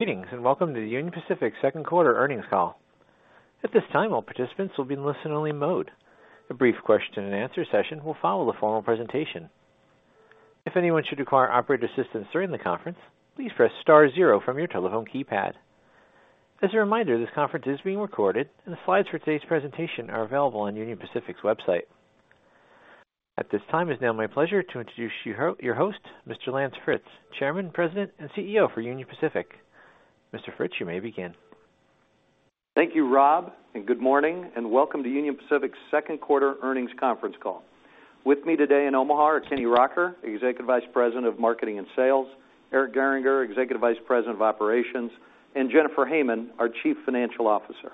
Greetings, and welcome to the Union Pacific second quarter earnings call. At this time, all participants will be in listen-only mode. A brief question and answer session will follow the formal presentation. If anyone should require operator assistance during the conference, please press star zero from your telephone keypad. As a reminder, this conference is being recorded, and the slides for today's presentation are available on Union Pacific's website. At this time, it's now my pleasure to introduce your host, Mr. Lance Fritz, Chairman, President, and CEO for Union Pacific. Mr. Fritz, you may begin. Thank you, Rob. Good morning, and welcome to Union Pacific's second quarter earnings conference call. With me today in Omaha are Kenny Rocker, Executive Vice President of Marketing and Sales, Eric Gehringer, Executive Vice President of Operations, and Jennifer Hamann, our Chief Financial Officer.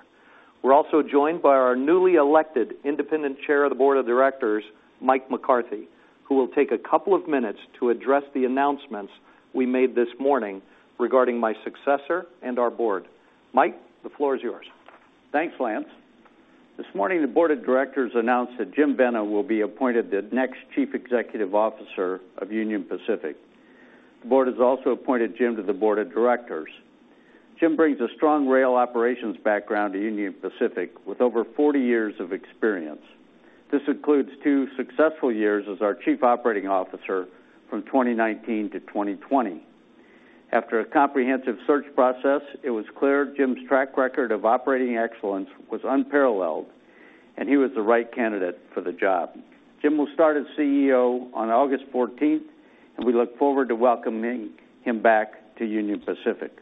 We're also joined by our newly elected independent Chair of the Board of Directors, Mike McCarthy, who will take a couple of minutes to address the announcements we made this morning regarding my successor and our board. Mike, the floor is yours. Thanks, Lance. This morning, the board of directors announce that Jim Vena will be appointed the next Chief Executive Officer of Union Pacific. The board has also appointed Jim to the board of directors. Jim brings a strong rail operations background to Union Pacific with over 40 years of experience. This includes twosuccessful years as our Chief Operating Officer from 2019 to 2020. After a comprehensive search process, it was clear Jim's track record of operating excellence was unparalleled, and he was the right candidate for the job. Jim will start as CEO on August 14th, and we look forward to welcoming him back to Union Pacific.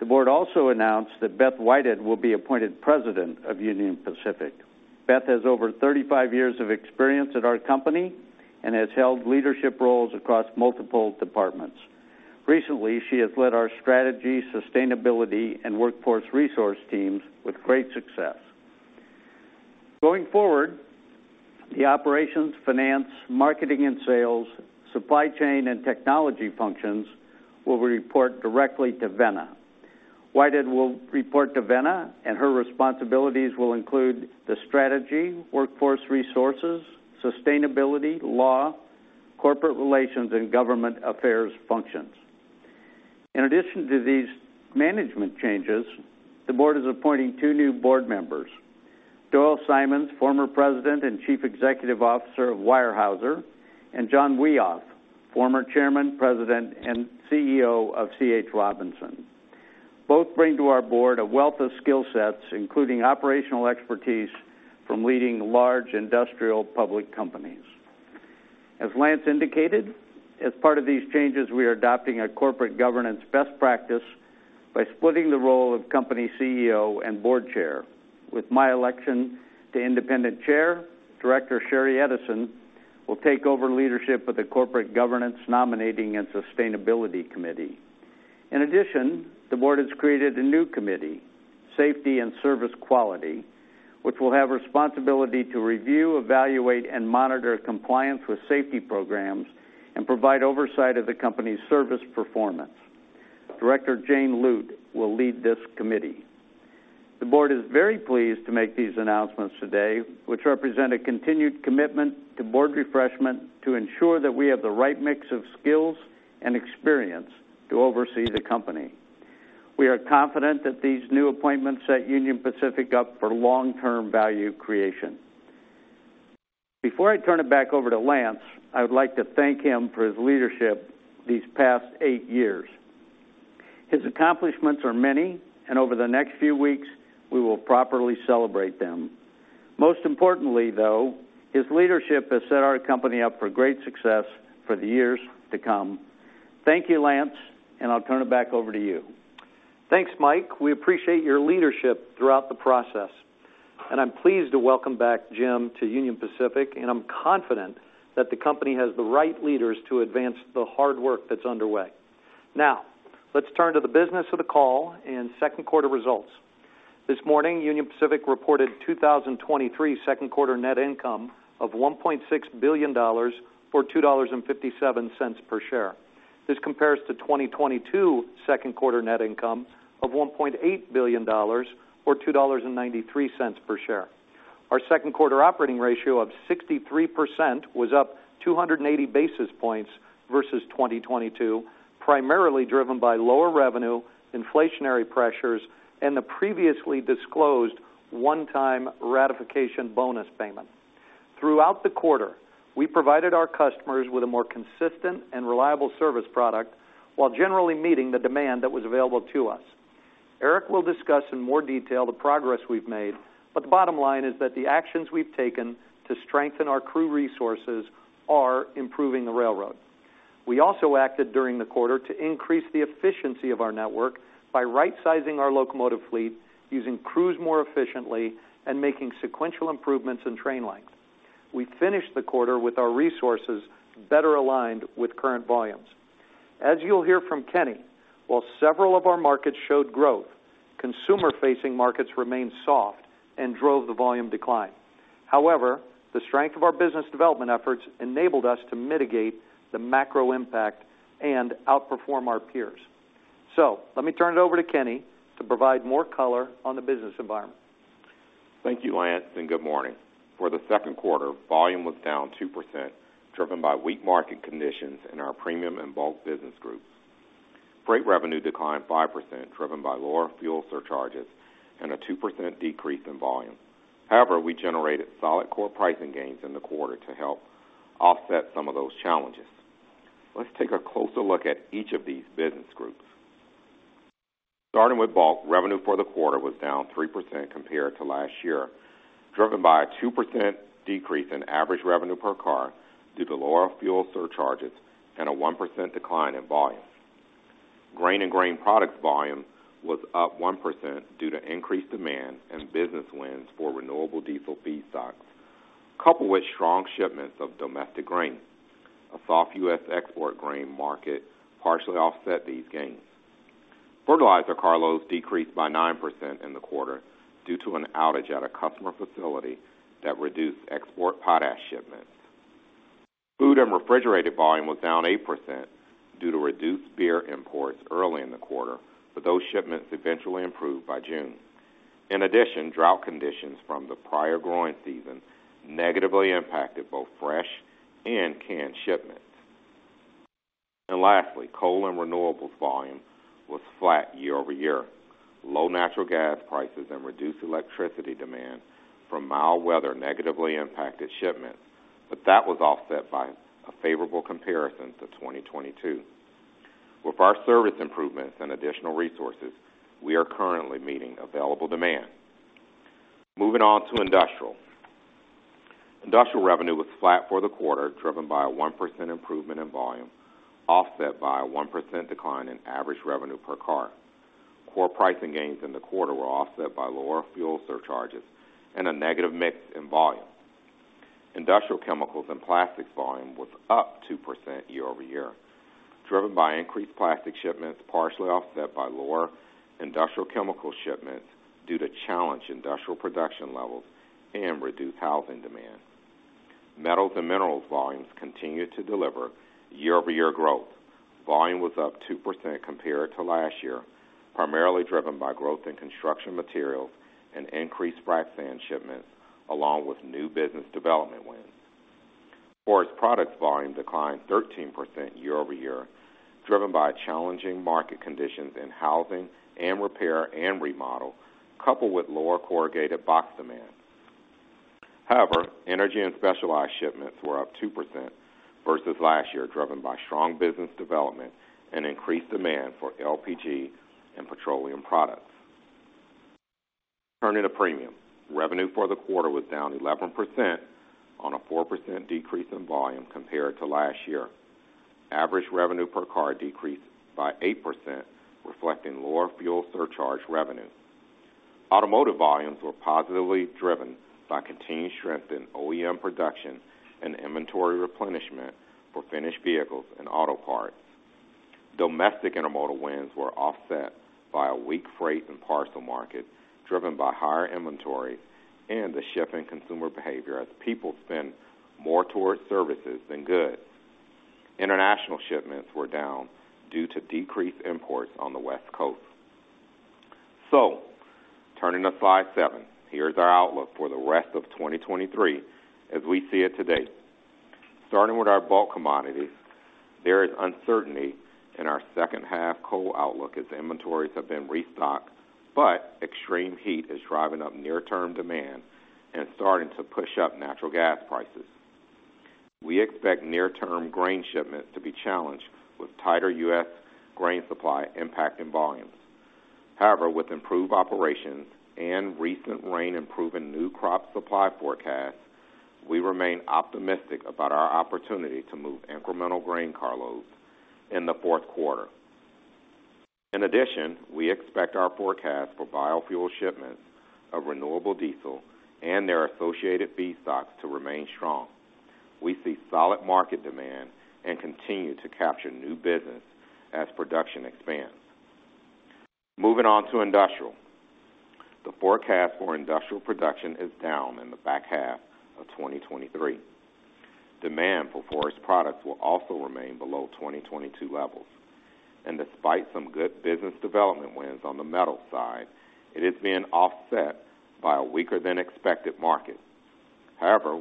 The board also announced that Beth Whited will be appointed President of Union Pacific. Beth has over 35 years of experience at our company and has held leadership roles across multiple departments. Recently, she has led our strategy, sustainability, and workforce resource teams with great success. Going forward, the operations, finance, marketing and sales, supply chain, and technology functions will report directly to Vena. Whited will report to Vena, and her responsibilities will include the strategy, workforce resources, sustainability, law, corporate relations, and government affairs functions. In addition to these management changes, the board is appointing two new board members, Doyle Simons, former President and Chief Executive Officer of Weyerhaeuser, and John Wiehoff, former Chairman, President, and CEO of C.H. Robinson. Both bring to our board a wealth of skill sets, including operational expertise from leading large industrial public companies. As Lance indicated, as part of these changes, we are adopting a corporate governance best practice by splitting the role of company CEO and board chair. With my election to independent chair, Director Sheri Edison will take over leadership of the Corporate Governance, Nominating and Sustainability Committee. The board has created a new committee, Safety and Service Quality, which will have responsibility to review, evaluate, and monitor compliance with safety programs and provide oversight of the company's service performance. Director Jane Lute will lead this committee. The board is very pleased to make these announcements today, which represent a continued commitment to board refreshment to ensure that we have the right mix of skills and experience to oversee the company. We are confident that these new appointments set Union Pacific up for long-term value creation. Before I turn it back over to Lance, I would like to thank him for his leadership these past eight years. His accomplishments are many. Over the next few weeks, we will properly celebrate them. Most importantly, though, his leadership has set our company up for great success for the years to come. Thank you, Lance, and I'll turn it back over to you. Thanks, Mike. We appreciate your leadership throughout the process. I'm pleased to welcome back Jim to Union Pacific, and I'm confident that the company has the right leaders to advance the hard work that's underway. Let's turn to the business of the call and second quarter results. This morning, Union Pacific reported 2023 second quarter net income of $1.6 billion, or $2.57 per share. This compares to 2022 second quarter net income of $1.8 billion, or $2.93 per share. Our second quarter operating ratio of 63% was up 280 basis points versus 2022, primarily driven by lower revenue, inflationary pressures, and the previously disclosed one-time ratification bonus payment. Throughout the quarter, we provided our customers with a more consistent and reliable service product while generally meeting the demand that was available to us. Eric will discuss in more detail the progress we've made, but the bottom line is that the actions we've taken to strengthen our crew resources are improving the railroad. We also acted during the quarter to increase the efficiency of our network by rightsizing our locomotive fleet, using crews more efficiently, and making sequential improvements in train length. We finished the quarter with our resources better aligned with current volumes. As you'll hear from Kenny, while several of our markets showed growth, consumer-facing markets remained soft and drove the volume decline. However, the strength of our business development efforts enabled us to mitigate the macro impact and outperform our peers. let me turn it over to Kenny to provide more color on the business environment. Thank you, Lance. Good morning. For the second quarter, volume was down 2%, driven by weak market conditions in our premium and bulk business groups. Freight revenue declined 5%, driven by lower fuel surcharges and a 2% decrease in volume. We generated solid core pricing gains in the quarter to help offset some of those challenges. Let's take a closer look at each of these business groups. Starting with bulk, revenue for the quarter was down 3% compared to last year, driven by a 2% decrease in average revenue per car due to lower fuel surcharges and a 1% decline in volume. Grain and grain products volume was up 1% due to increased demand and business wins for renewable diesel feedstocks, coupled with strong shipments of domestic grain. A soft U.S. export grain market partially offset these gains. Fertilizer carloads decreased by 9% in the quarter due to an outage at a customer facility that reduced export potash shipments. Food and refrigerated volume was down 8% due to reduced beer imports early in the quarter, but those shipments eventually improved by June. In addition, drought conditions from the prior growing season negatively impacted both fresh and canned shipments. Lastly, coal and renewables volume was flat year-over-year. Low natural gas prices and reduced electricity demand from mild weather negatively impacted shipments, but that was offset by a favorable comparison to 2022. With our service improvements and additional resources, we are currently meeting available demand. Moving on to industrial. Industrial revenue was flat for the quarter, driven by a 1% improvement in volume, offset by a 1% decline in average revenue per car. Core pricing gains in the quarter were offset by lower fuel surcharges and a negative mix in volume. Industrial chemicals and plastics volume was up 2% year-over-year, driven by increased plastic shipments, partially offset by lower industrial chemical shipments due to challenged industrial production levels and reduced housing demand. Metals and minerals volumes continued to deliver year-over-year growth. Volume was up 2% compared to last year, primarily driven by growth in construction materials and increased frac sand shipments, along with new business development wins. Forest products volume declined 13% year-over-year, driven by challenging market conditions in housing and repair and remodel, coupled with lower corrugated box demand. Energy and specialized shipments were up 2% versus last year, driven by strong business development and increased demand for LPG and petroleum products. Turning to premium. Revenue for the quarter was down 11% on a 4% decrease in volume compared to last year. Average revenue per car decreased by 8%, reflecting lower fuel surcharge revenue. Automotive volumes were positively driven by continued strength in OEM production and inventory replenishment for finished vehicles and auto parts. Domestic intermodal wins were offset by a weak freight and parcel market, driven by higher inventory and a shift in consumer behavior as people spend more towards services than goods. International shipments were down due to decreased imports on the West Coast. Turning to slide seven. Here's our outlook for the rest of 2023 as we see it today. Starting with our bulk commodities, there is uncertainty in our second half coal outlook as inventories have been restocked, but extreme heat is driving up near-term demand and starting to push up natural gas prices. We expect near-term grain shipments to be challenged with tighter U.S. grain supply impacting volumes. With improved operations and recent rain improving new crop supply forecasts, we remain optimistic about our opportunity to move incremental grain carloads in the fourth quarter. We expect our forecast for biofuel shipments of renewable diesel and their associated feedstocks to remain strong. We see solid market demand and continue to capture new business as production expands. Moving on to industrial. The forecast for industrial production is down in the back half of 2023. Demand for forest products will also remain below 2022 levels, despite some good business development wins on the metal side, it is being offset by a weaker-than-expected market.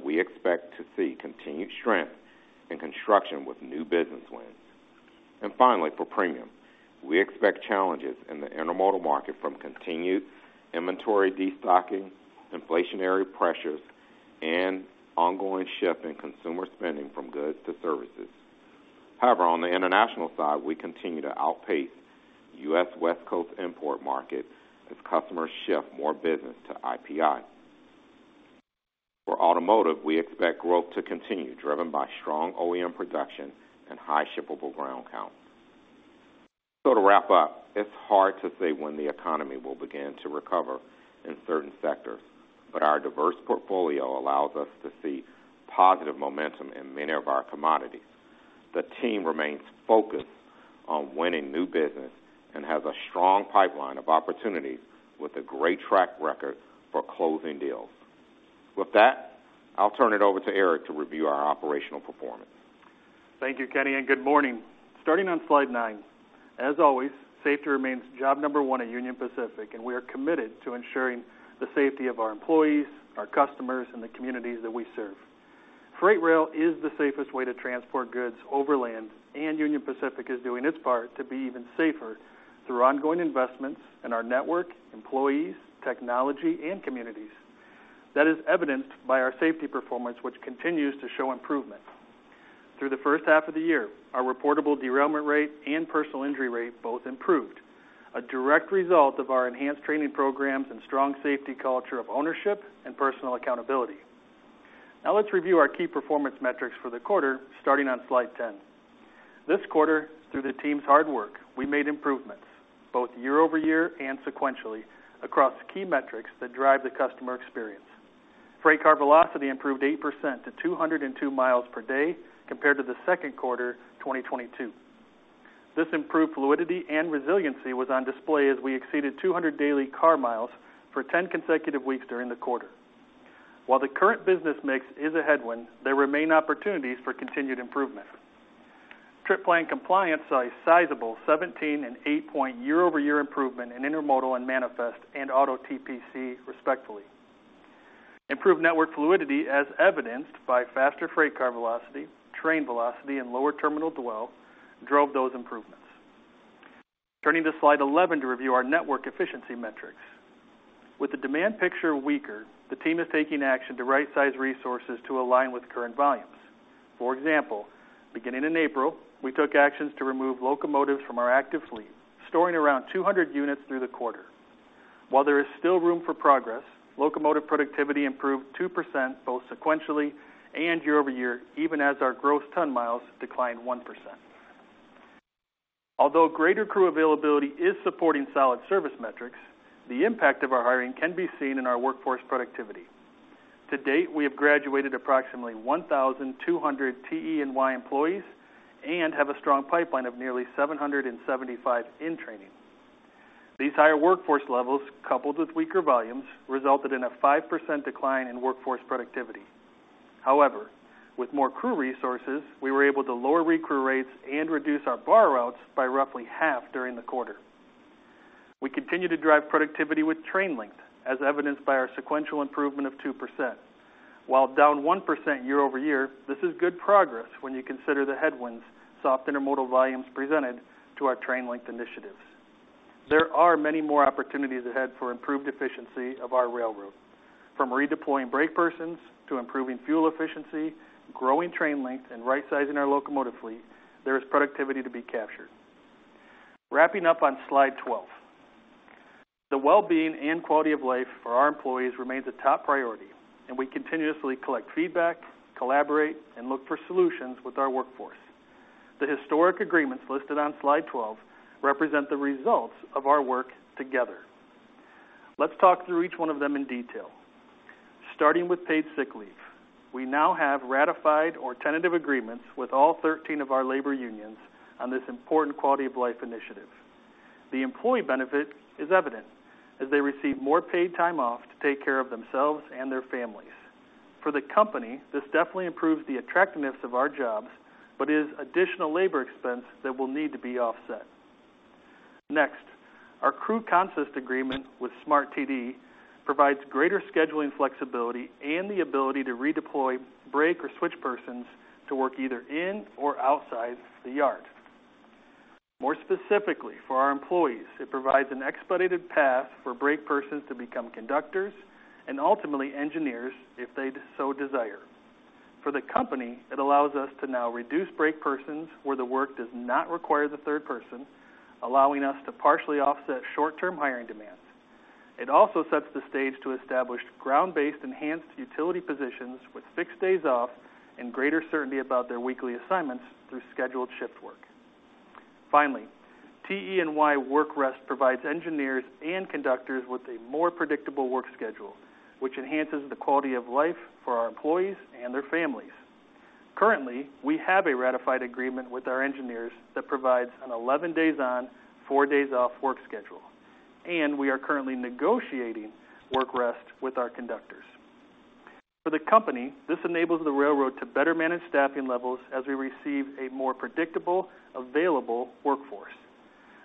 We expect to see continued strength in construction with new business wins. Finally, for premium, we expect challenges in the intermodal market from continued inventory destocking, inflationary pressures, and ongoing shift in consumer spending from goods to services. However, on the international side, we continue to outpace U.S. West Coast import market as customers shift more business to IPI. For automotive, we expect growth to continue, driven by strong OEM production and high shippable ground count. To wrap up, it's hard to say when the economy will begin to recover in certain sectors, but our diverse portfolio allows us to see positive momentum in many of our commodities. The team remains focused on winning new business and has a strong pipeline of opportunities with a great track record for closing deals. With that, I'll turn it over to Eric to review our operational performance. Thank you, Kenny. Good morning. Starting on slide nine, as always, safety remains job number one at Union Pacific, and we are committed to ensuring the safety of our employees, our customers, and the communities that we serve. Freight rail is the safest way to transport goods overland, and Union Pacific is doing its part to be even safer through ongoing investments in our network, employees, technology, and communities. That is evidenced by our safety performance, which continues to show improvement. Through the first half of the year, our reportable derailment rate and personal injury rate both improved, a direct result of our enhanced training programs and strong safety culture of ownership and personal accountability. Now let's review our key performance metrics for the quarter, starting on slide 10. This quarter, through the team's hard work, we made improvements both year-over-year and sequentially across key metrics that drive the customer experience. Freight car velocity improved 8% to 202 miles per day compared to the second quarter, 2022. This improved fluidity and resiliency was on display as we exceeded 200 daily car miles for 10 consecutive weeks during the quarter. While the current business mix is a headwind, there remain opportunities for continued improvement. Trip plan compliance, a sizable 17 and 8-point year-over-year improvement in Intermodal and Manifest and Auto TPC, respectively. Improved network fluidity, as evidenced by faster freight car velocity, train velocity, and lower terminal dwell, drove those improvements. Turning to slide 11 to review our network efficiency metrics. With the demand picture weaker, the team is taking action to rightsize resources to align with current volumes. For example, beginning in April, we took actions to remove locomotives from our active fleet, storing around 200 units through the quarter. While there is still room for progress, locomotive productivity improved 2% both sequentially and year-over-year, even as our gross ton-miles declined 1%. Greater crew availability is supporting solid service metrics, the impact of our hiring can be seen in our workforce productivity. To date, we have graduated approximately 1,200 TE&Y employees and have a strong pipeline of nearly 775 in training. These higher workforce levels, coupled with weaker volumes, resulted in a 5% decline in workforce productivity. With more crew resources, we were able to lower recrew rates and reduce our borrow-outs by roughly half during the quarter. We continue to drive productivity with train length, as evidenced by our sequential improvement of 2%. While down 1% year-over-year, this is good progress when you consider the headwinds soft Intermodal volumes presented to our train length initiatives. There are many more opportunities ahead for improved efficiency of our railroad. From redeploying brake persons to improving fuel efficiency, growing train length, and rightsizing our locomotive fleet, there is productivity to be captured. Wrapping up on slide 12, the well-being and quality of life for our employees remains a top priority, and we continuously collect feedback, collaborate, and look for solutions with our workforce. The historic agreements listed on slide 12 represent the results of our work together. Let's talk through each one of them in detail. Starting with paid sick leave, we now have ratified or tentative agreements with all 13 of our labor unions on this important quality-of-life initiative. The employee benefit is evident as they receive more paid time off to take care of themselves and their families. For the company, this definitely improves the attractiveness of our jobs, but is additional labor expense that will need to be offset. Our crew consist agreement with SMART-TD provides greater scheduling flexibility and the ability to redeploy brake or switch persons to work either in or outside the yard. More specifically, for our employees, it provides an expedited path for brake persons to become conductors and ultimately engineers, if they so desire. For the company, it allows us to now reduce brake persons where the work does not require the third person, allowing us to partially offset short-term hiring demands. It also sets the stage to establish ground-based, enhanced utility positions with fixed days off and greater certainty about their weekly assignments through scheduled shift work. Finally, TE&Y work rest provides engineers and conductors with a more predictable work schedule, which enhances the quality of life for our employees and their families. Currently, we have a ratified agreement with our engineers that provides an 11 days on, 4 days off work schedule, and we are currently negotiating work rest with our conductors. For the company, this enables the railroad to better manage staffing levels as we receive a more predictable, available workforce.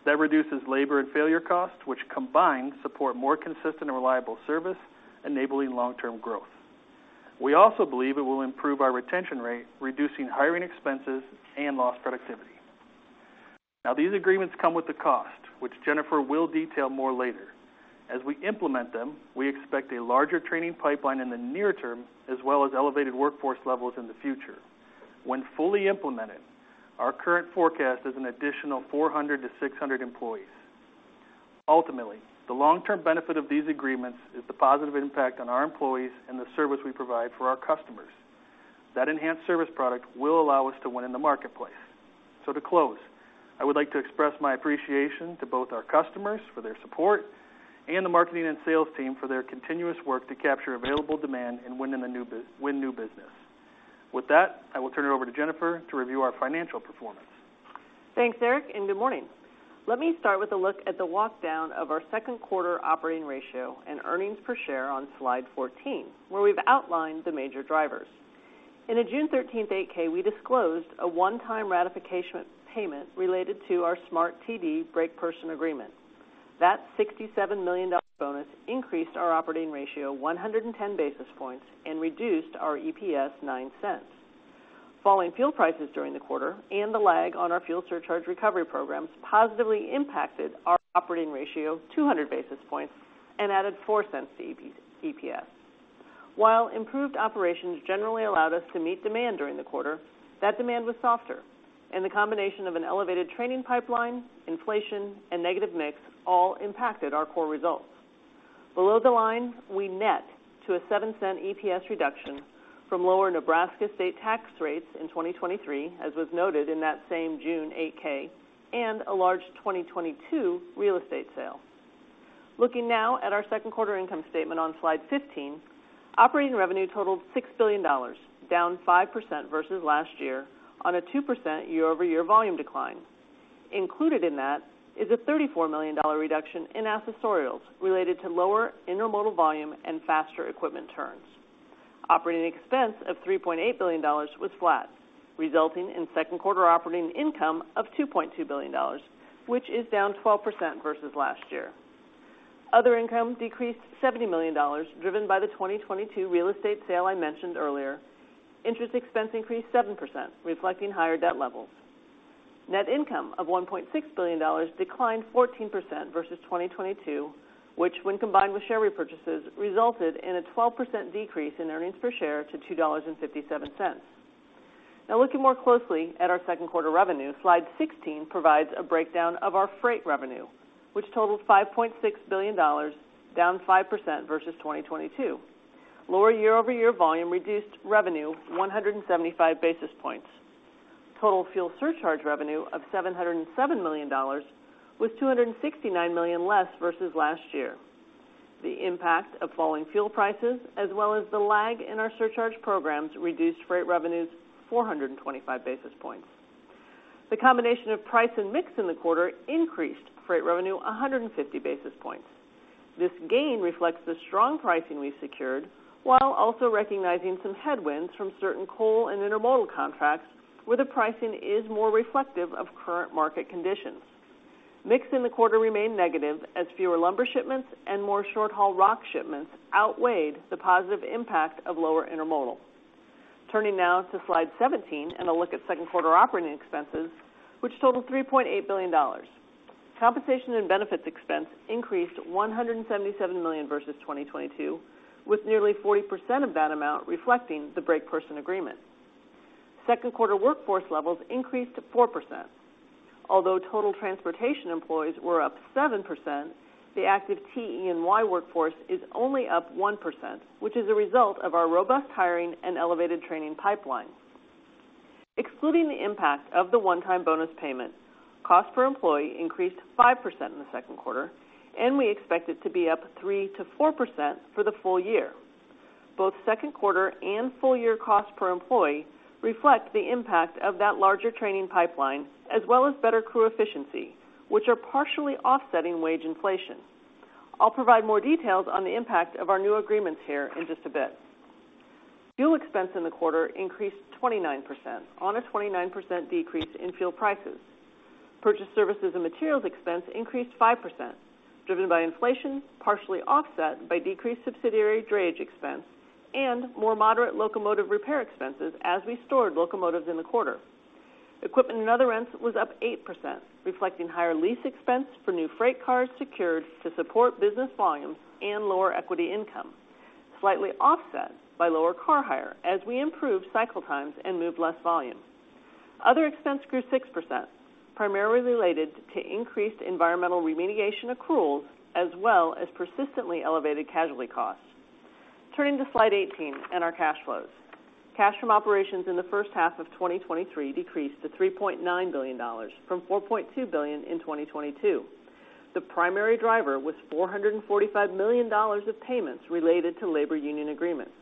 That reduces labor and failure costs, which combined, support more consistent and reliable service, enabling long-term growth. We also believe it will improve our retention rate, reducing hiring expenses and lost productivity. Now, these agreements come with a cost, which Jennifer will detail more later. As we implement them, we expect a larger training pipeline in the near term, as well as elevated workforce levels in the future. When fully implemented, our current forecast is an additional 400-600 employees. Ultimately, the long-term benefit of these agreements is the positive impact on our employees and the service we provide for our customers. That enhanced service product will allow us to win in the marketplace. To close, I would like to express my appreciation to both our customers for their support and the Marketing and Sales team for their continuous work to capture available demand and win new business. With that, I will turn it over to Jennifer to review our financial performance. Thanks, Eric, and good morning. Let me start with a look at the walk-down of our second quarter operating ratio and earnings per share on slide 14, where we've outlined the major drivers. In a June 13th, 8-K, we disclosed a one-time ratification payment related to our SMART-TD break person agreement. That $67 million bonus increased our operating ratio 110 basis points and reduced our EPS $0.09. Falling fuel prices during the quarter and the lag on our fuel surcharge recovery programs positively impacted our operating ratio 200 basis points and added $0.04 to EPS. While improved operations generally allowed us to meet demand during the quarter, that demand was softer, and the combination of an elevated training pipeline, inflation, and negative mix all impacted our core results. Below the line, we net to a $0.07 EPS reduction from lower Nebraska state tax rates in 2023, as was noted in that same June 8-K, and a large 2022 real estate sale. Looking now at our second quarter income statement on slide 15, operating revenue totaled $6 billion, down 5% versus last year on a 2% year-over-year volume decline. Included in that is a $34 million reduction in accessorials related to lower intermodal volume and faster equipment turns. Operating expense of $3.8 billion was flat, resulting in second quarter operating income of $2.2 billion, which is down 12% versus last year. Other income decreased $70 million, driven by the 2022 real estate sale I mentioned earlier. Interest expense increased 7%, reflecting higher debt levels. Net income of $1.6 billion declined 14% versus 2022, which, when combined with share repurchases, resulted in a 12% decrease in EPS to $2.57. Looking more closely at our second quarter revenue, slide 16 provides a breakdown of our freight revenue, which totaled $5.6 billion, down 5% versus 2022. Lower year-over-year volume reduced revenue 175 basis points. Total fuel surcharge revenue of $707 million was $269 million less versus last year. The impact of falling fuel prices, as well as the lag in our surcharge programs, reduced freight revenues 425 basis points. The combination of price and mix in the quarter increased freight revenue 150 basis points. This gain reflects the strong pricing we've secured, while also recognizing some headwinds from certain coal and intermodal contracts, where the pricing is more reflective of current market conditions. Mix in the quarter remained negative, as fewer lumber shipments and more short-haul rock shipments outweighed the positive impact of lower intermodal. Turning now to slide 17 and a look at second quarter operating expenses, which totaled $3.8 billion. Compensation and benefits expense increased $177 million versus 2022, with nearly 40% of that amount reflecting the break person agreement. Second quarter workforce levels increased 4%. Although total transportation employees were up 7%, the active TE&Y workforce is only up 1%, which is a result of our robust hiring and elevated training pipeline. Excluding the impact of the one-time bonus payment, cost per employee increased 5% in the second quarter. We expect it to be up 3%-4% for the full year. Both second quarter and full year cost per employee reflect the impact of that larger training pipeline, as well as better crew efficiency, which are partially offsetting wage inflation. I'll provide more details on the impact of our new agreements here in just a bit. Fuel expense in the quarter increased 29% on a 29% decrease in fuel prices. Purchase services and materials expense increased 5%, driven by inflation, partially offset by decreased subsidiary drayage expense and more moderate locomotive repair expenses as we stored locomotives in the quarter. Equipment and other rents was up 8%, reflecting higher lease expense for new freight cars secured to support business volumes and lower equity income, slightly offset by lower car hire as we improved cycle times and moved less volume. Other expense grew 6%, primarily related to increased environmental remediation accruals, as well as persistently elevated casualty costs. Turning to slide 18 and our cash flows. Cash from operations in the first half of 2023 decreased to $3.9 billion from $4.2 billion in 2022. The primary driver was $445 million of payments related to labor union agreements.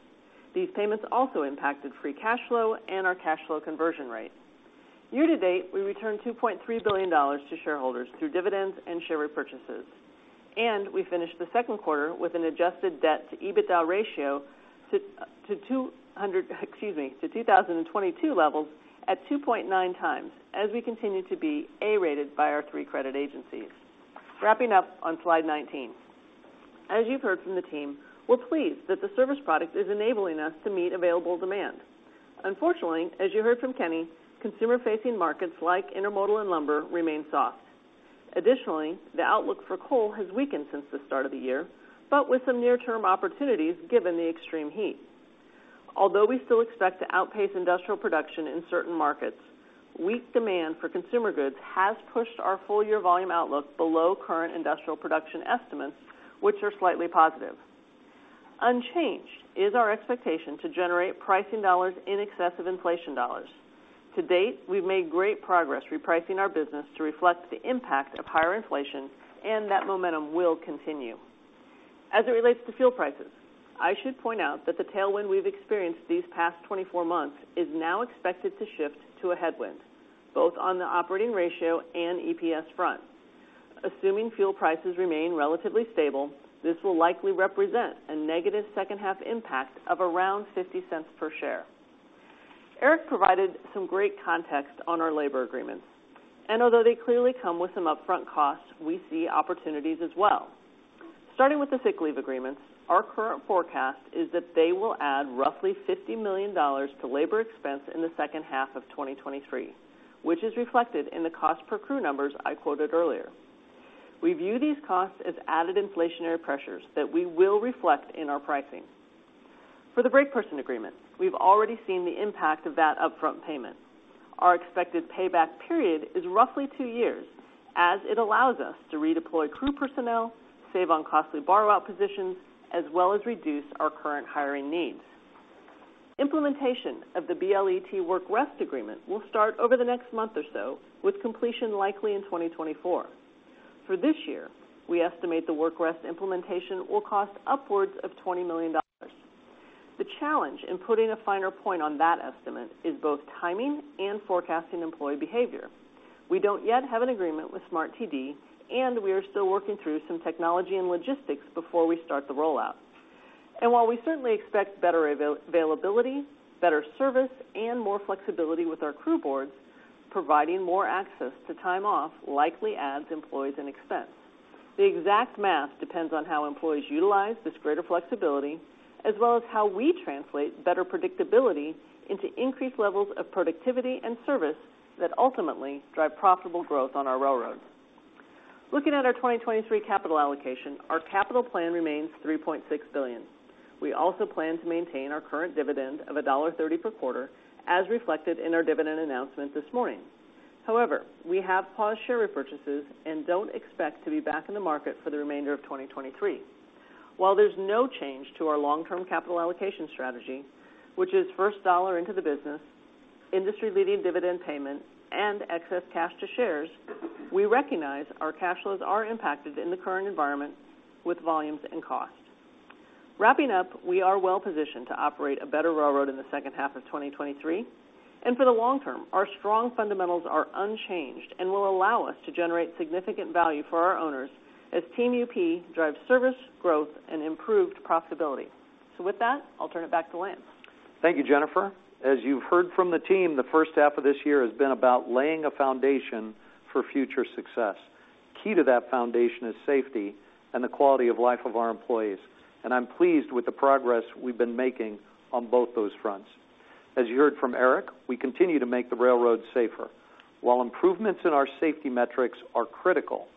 These payments also impacted free cash flow and our cash flow conversion rate. Year to date, we returned $2.3 billion to shareholders through dividends and share repurchases. We finished the second quarter with an adjusted debt to EBITDA ratio to 2022 levels at 2.9x as we continue to be A-rated by our three credit agencies. Wrapping up on slide 19. As you've heard from the team, we're pleased that the service product is enabling us to meet available demand. Unfortunately, as you heard from Kenny, consumer-facing markets like intermodal and lumber remain soft. Additionally, the outlook for coal has weakened since the start of the year, with some near-term opportunities given the extreme heat. Although we still expect to outpace industrial production in certain markets, weak demand for consumer goods has pushed our full-year volume outlook below current industrial production estimates, which are slightly positive. Unchanged is our expectation to generate pricing dollars in excess of inflation dollars. To date, we've made great progress repricing our business to reflect the impact of higher inflation, that momentum will continue. As it relates to fuel prices, I should point out that the tailwind we've experienced these past 24 months is now expected to shift to a headwind, both on the operating ratio and EPS front. Assuming fuel prices remain relatively stable, this will likely represent a negative second half impact of around $0.50 per share. Eric provided some great context on our labor agreements, although they clearly come with some upfront costs, we see opportunities as well. Starting with the sick leave agreements, our current forecast is that they will add roughly $50 million to labor expense in the second half of 2023, which is reflected in the cost per crew numbers I quoted earlier. We view these costs as added inflationary pressures that we will reflect in our pricing. For the break person agreement, we've already seen the impact of that upfront payment. Our expected payback period is roughly two years, as it allows us to redeploy crew personnel, save on costly borrow-out positions, as well as reduce our current hiring needs. Implementation of the BLET work rest agreement will start over the next month or so, with completion likely in 2024. For this year, we estimate the work rest implementation will cost upwards of $20 million. The challenge in putting a finer point on that estimate is both timing and forecasting employee behavior. We don't yet have an agreement with SMART-TD, and we are still working through some technology and logistics before we start the rollout. While we certainly expect better availability, better service, and more flexibility with our crew boards, providing more access to time off likely adds employees and expense. The exact math depends on how employees utilize this greater flexibility, as well as how we translate better predictability into increased levels of productivity and service that ultimately drive profitable growth on our railroad. Looking at our 2023 capital allocation, our capital plan remains $3.6 billion. We also plan to maintain our current dividend of $1.30 per quarter, as reflected in our dividend announcement this morning. We have paused share repurchases and don't expect to be back in the market for the remainder of 2023. While there's no change to our long-term capital allocation strategy, which is first dollar into the business, industry-leading dividend payments, and excess cash to shares, we recognize our cash flows are impacted in the current environment with volumes and costs. Wrapping up, we are well positioned to operate a better railroad in the second half of 2023, and for the long term, our strong fundamentals are unchanged and will allow us to generate significant value for our owners as Team UP drives service, growth, and improved profitability. With that, I'll turn it back to Lance. Thank you, Jennifer. As you've heard from the team, the first half of this year has been about laying a foundation for future success. Key to that foundation is safety and the quality of life of our employees, and I'm pleased with the progress we've been making on both those fronts. As you heard from Eric, we continue to make the railroad safer. While improvements in our safety metrics are critical,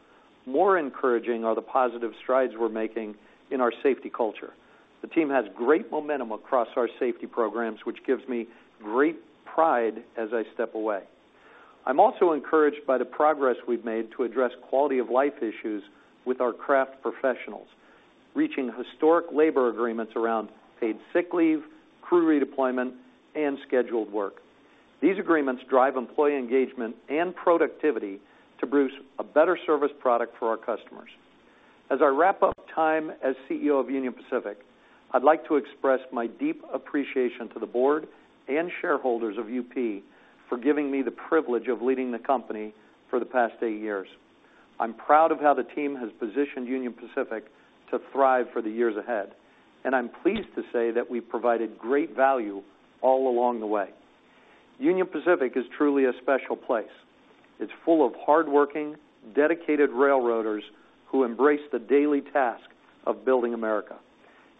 more encouraging are the positive strides we're making in our safety culture. The team has great momentum across our safety programs, which gives me great pride as I step away. I'm also encouraged by the progress we've made to address quality of life issues with our craft professionals, reaching historic labor agreements around paid sick leave, crew redeployment, and scheduled work. These agreements drive employee engagement and productivity to produce a better service product for our customers. As I wrap up time as CEO of Union Pacific, I'd like to express my deep appreciation to the board and shareholders of UP for giving me the privilege of leading the company for the past eight years. I'm proud of how the team has positioned Union Pacific to thrive for the years ahead, and I'm pleased to say that we've provided great value all along the way. Union Pacific is truly a special place. It's full of hardworking, dedicated railroaders who embrace the daily task of building America.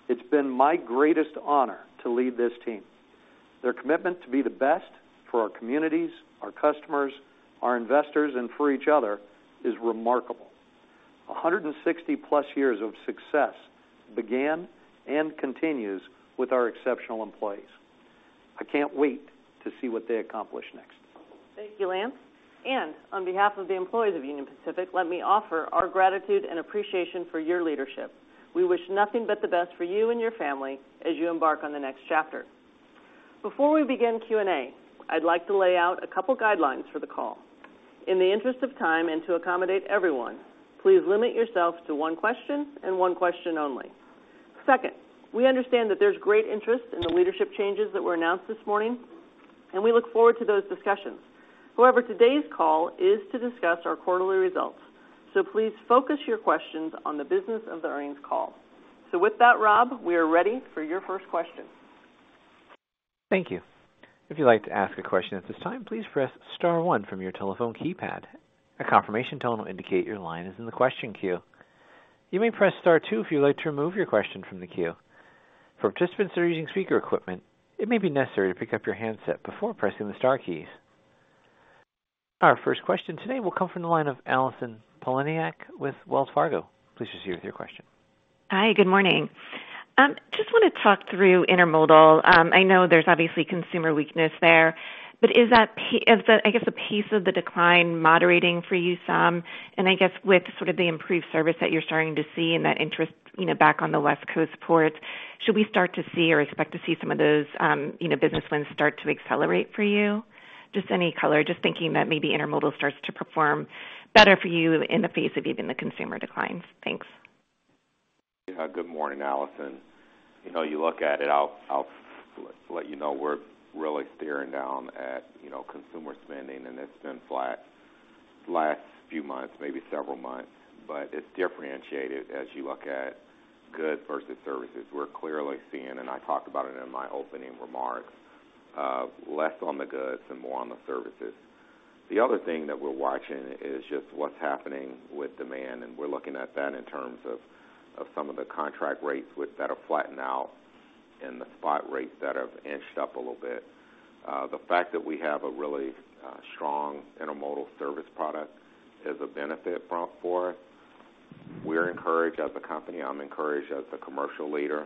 It's been my greatest honor to lead this team. Their commitment to be the best for our communities, our customers, our investors, and for each other is remarkable. 160-plus years of success began and continues with our exceptional employees. I can't wait to see what they accomplish next. Thank you, Lance. On behalf of the employees of Union Pacific, let me offer our gratitude and appreciation for your leadership. We wish nothing but the best for you and your family as you embark on the next chapter. Before we begin Q&A, I'd like to lay out a couple guidelines for the call. In the interest of time and to accommodate everyone, please limit yourself to one question and one question only. Second, we understand that there's great interest in the leadership changes that were announced this morning, and we look forward to those discussions. However, today's call is to discuss our quarterly results, so please focus your questions on the business of the earnings call. With that, Rob, we are ready for your first question. Thank you. If you'd like to ask a question at this time, please press star one from your telephone keypad. A confirmation tone will indicate your line is in the question queue. You may press star two if you'd like to remove your question from the queue. For participants that are using speaker equipment, it may be necessary to pick up your handset before pressing the star keys. Our first question today will come from the line of Allison Poliniak with Wells Fargo. Please proceed with your question. Hi, good morning. Just wanna talk through Intermodal. I know there's obviously consumer weakness there, but is the, I guess, the pace of the decline moderating for you some? I guess with sort of the improved service that you're starting to see and that interest, you know, back on the West Coast ports, should we start to see or expect to see some of those, you know, business wins start to accelerate for you? Just any color, just thinking that maybe Intermodal starts to perform better for you in the face of even the consumer declines. Thanks. Good morning, Allison. You know, you look at it, I'll let you know we're really staring down at, you know, consumer spending. It's been flat the last few months, maybe several months, but it's differentiated as you look at goods versus services. We're clearly seeing, and I talked about it in my opening remarks, less on the goods and more on the services. The other thing that we're watching is just what's happening with demand. We're looking at that in terms of some of the contract rates which that are flattening out and the spot rates that have inched up a little bit. The fact that we have a really strong intermodal service product is a benefit for us. We're encouraged as a company, I'm encouraged as the commercial leader,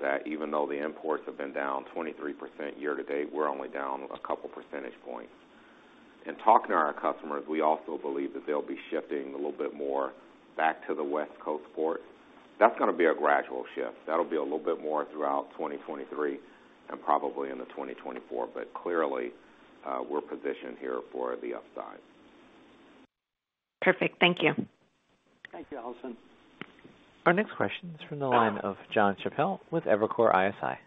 that even though the imports have been down 23% year to date, we're only down a couple percentage points. In talking to our customers, we also believe that they'll be shifting a little bit more back to the West Coast port. That's going to be a gradual shift. That'll be a little bit more throughout 2023 and probably into 2024. Clearly, we're positioned here for the upside. Perfect. Thank you. Thank you, Allison. Our next question is from the line of Jonathan Chappell with Evercore ISI.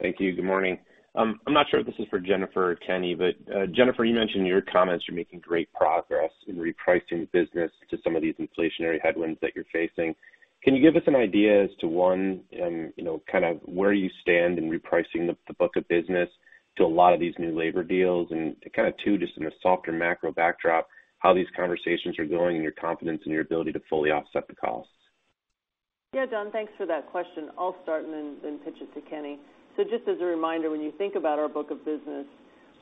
Thank you. Good morning. I'm not sure if this is for Jennifer or Kenny, but Jennifer, you mentioned in your comments you're making great progress in repricing the business to some of these inflationary headwinds that you're facing. Can you give us an idea as to, one, you know, kind of where you stand in repricing the book of business to a lot of these new labor deals? Kind of, two, just in a softer macro backdrop, how these conversations are going and your confidence in your ability to fully offset the costs. Yeah, John, thanks for that question. I'll start and then pitch it to Kenny. Just as a reminder, when you think about our book of business,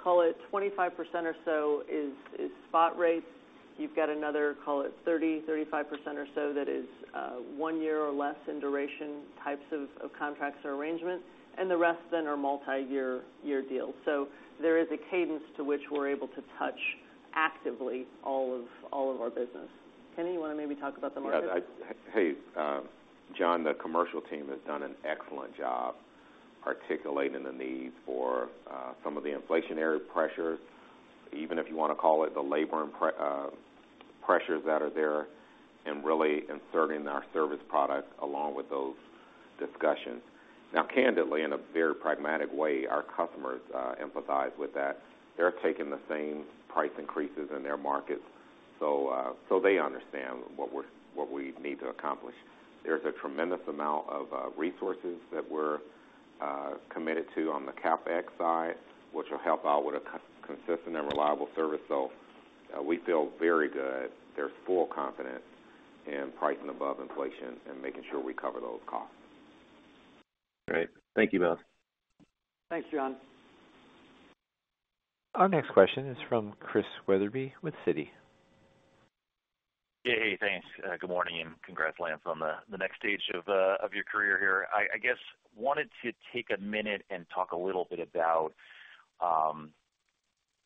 call it 25% or so is spot rates. You've got another, call it 30%-35% or so that is one year or less in duration types of contracts or arrangements, the rest then are multiyear deals. There is a cadence to which we're able to touch actively all of our business. Kenny, you want to maybe talk about the market? Yeah, Hey, John, the commercial team has done an excellent job articulating the need for some of the inflationary pressures, even if you want to call it the labor and pressures that are there, really inserting our service products along with those discussions. Now, candidly, in a very pragmatic way, our customers empathize with that. They're taking the same price increases in their markets, so they understand what we need to accomplish. There's a tremendous amount of resources that we're committed to on the CapEx side, which will help out with a consistent and reliable service. We feel very good. There's full confidence in pricing above inflation and making sure we cover those costs. Great. Thank you both. Thanks, John. Our next question is from Chris Wetherbee with Citi. Hey, thanks. Good morning, and congrats, Lance, on the next stage of your career here. I guess, wanted to take a minute and talk a little bit about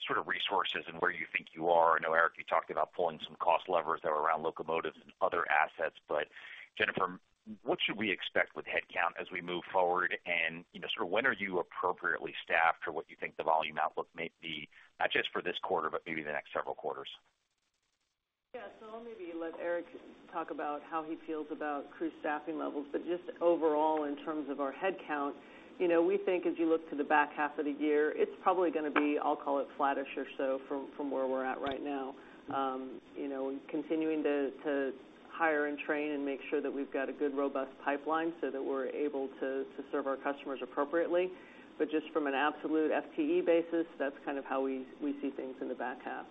sort of resources and where you think you are. I know, Eric, you talked about pulling some cost levers that were around locomotives and other assets. Jennifer, what should we expect with headcount as we move forward? You know, sort of when are you appropriately staffed for what you think the volume outlook may be, not just for this quarter, but maybe the next several quarters? Yeah. I'll maybe let Eric talk about how he feels about crew staffing levels. Just overall, in terms of our headcount, you know, we think as you look to the back half of the year, it's probably going to be, I'll call it, flattish or so from where we're at right now. You know, and continuing to hire and train and make sure that we've got a good, robust pipeline so that we're able to serve our customers appropriately. Just from an absolute FTE basis, that's kind of how we see things in the back half.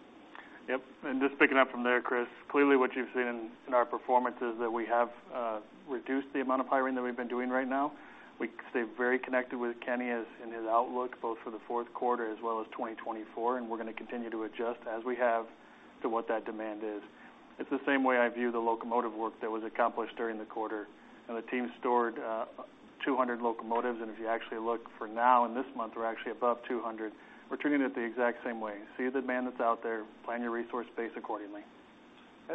Yep, just picking up from there, Chris, clearly, what you've seen in our performance is that we have reduced the amount of hiring that we've been doing right now. We stay very connected with Kenny as in his outlook, both for the fourth quarter as well as 2024, we're going to continue to adjust as we have to what that demand is. It's the same way I view the locomotive work that was accomplished during the quarter, the team stored 200 locomotives, if you actually look for now, in this month, we're actually above 200. We're treating it the exact same way. See the demand that's out there, plan your resource base accordingly.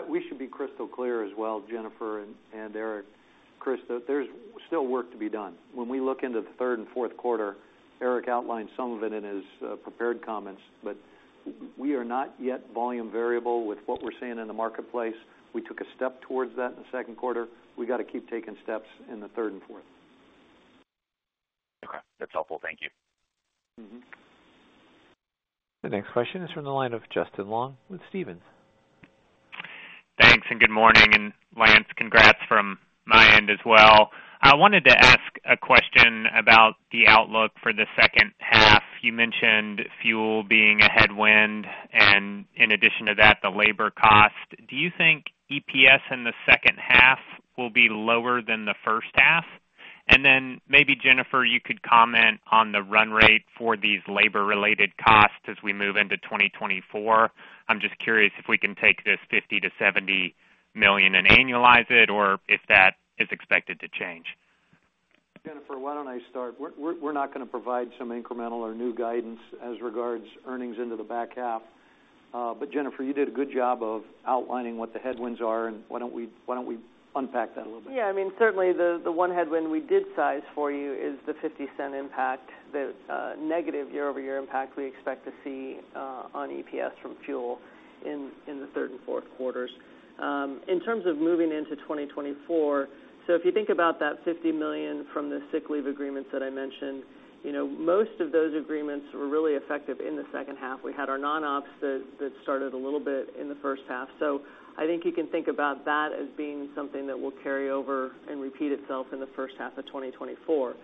We should be crystal clear as well, Jennifer and Eric, Chris, that there's still work to be done. When we look into the third and fourth quarter, Eric outlined some of it in his prepared comments, we are not yet volume variable with what we're seeing in the marketplace. We took a step towards that in the second quarter. We got to keep taking steps in the third and fourth. Okay, that's helpful. Thank you. Mm-hmm. The next question is from the line of Justin Long with Stephens. Thanks. Good morning, Lance, congrats from my end as well. I wanted to ask a question about the outlook for the second half. You mentioned fuel being a headwind, in addition to that, the labor cost. Do you think EPS in the second half will be lower than the first half? Maybe, Jennifer, you could comment on the run rate for these labor-related costs as we move into 2024. I'm just curious if we can take this $50 million-$70 million and annualize it, or if that is expected to change. Jennifer, why don't I start? We're not going to provide some incremental or new guidance as regards earnings into the back half. Jennifer, you did a good job of outlining what the headwinds are, why don't we unpack that a little bit? I mean, certainly the one headwind we did size for you is the $0.50 impact, the negative year-over-year impact we expect to see on EPS from fuel in the third and fourth quarters. In terms of moving into 2024, if you think about that $50 million from the sick leave agreements that I mentioned, you know, most of those agreements were really effective in the second half. We had our non-ops that started a little bit in the first half. I think you can think about that as being something that will carry over and repeat itself in the first half of 2024.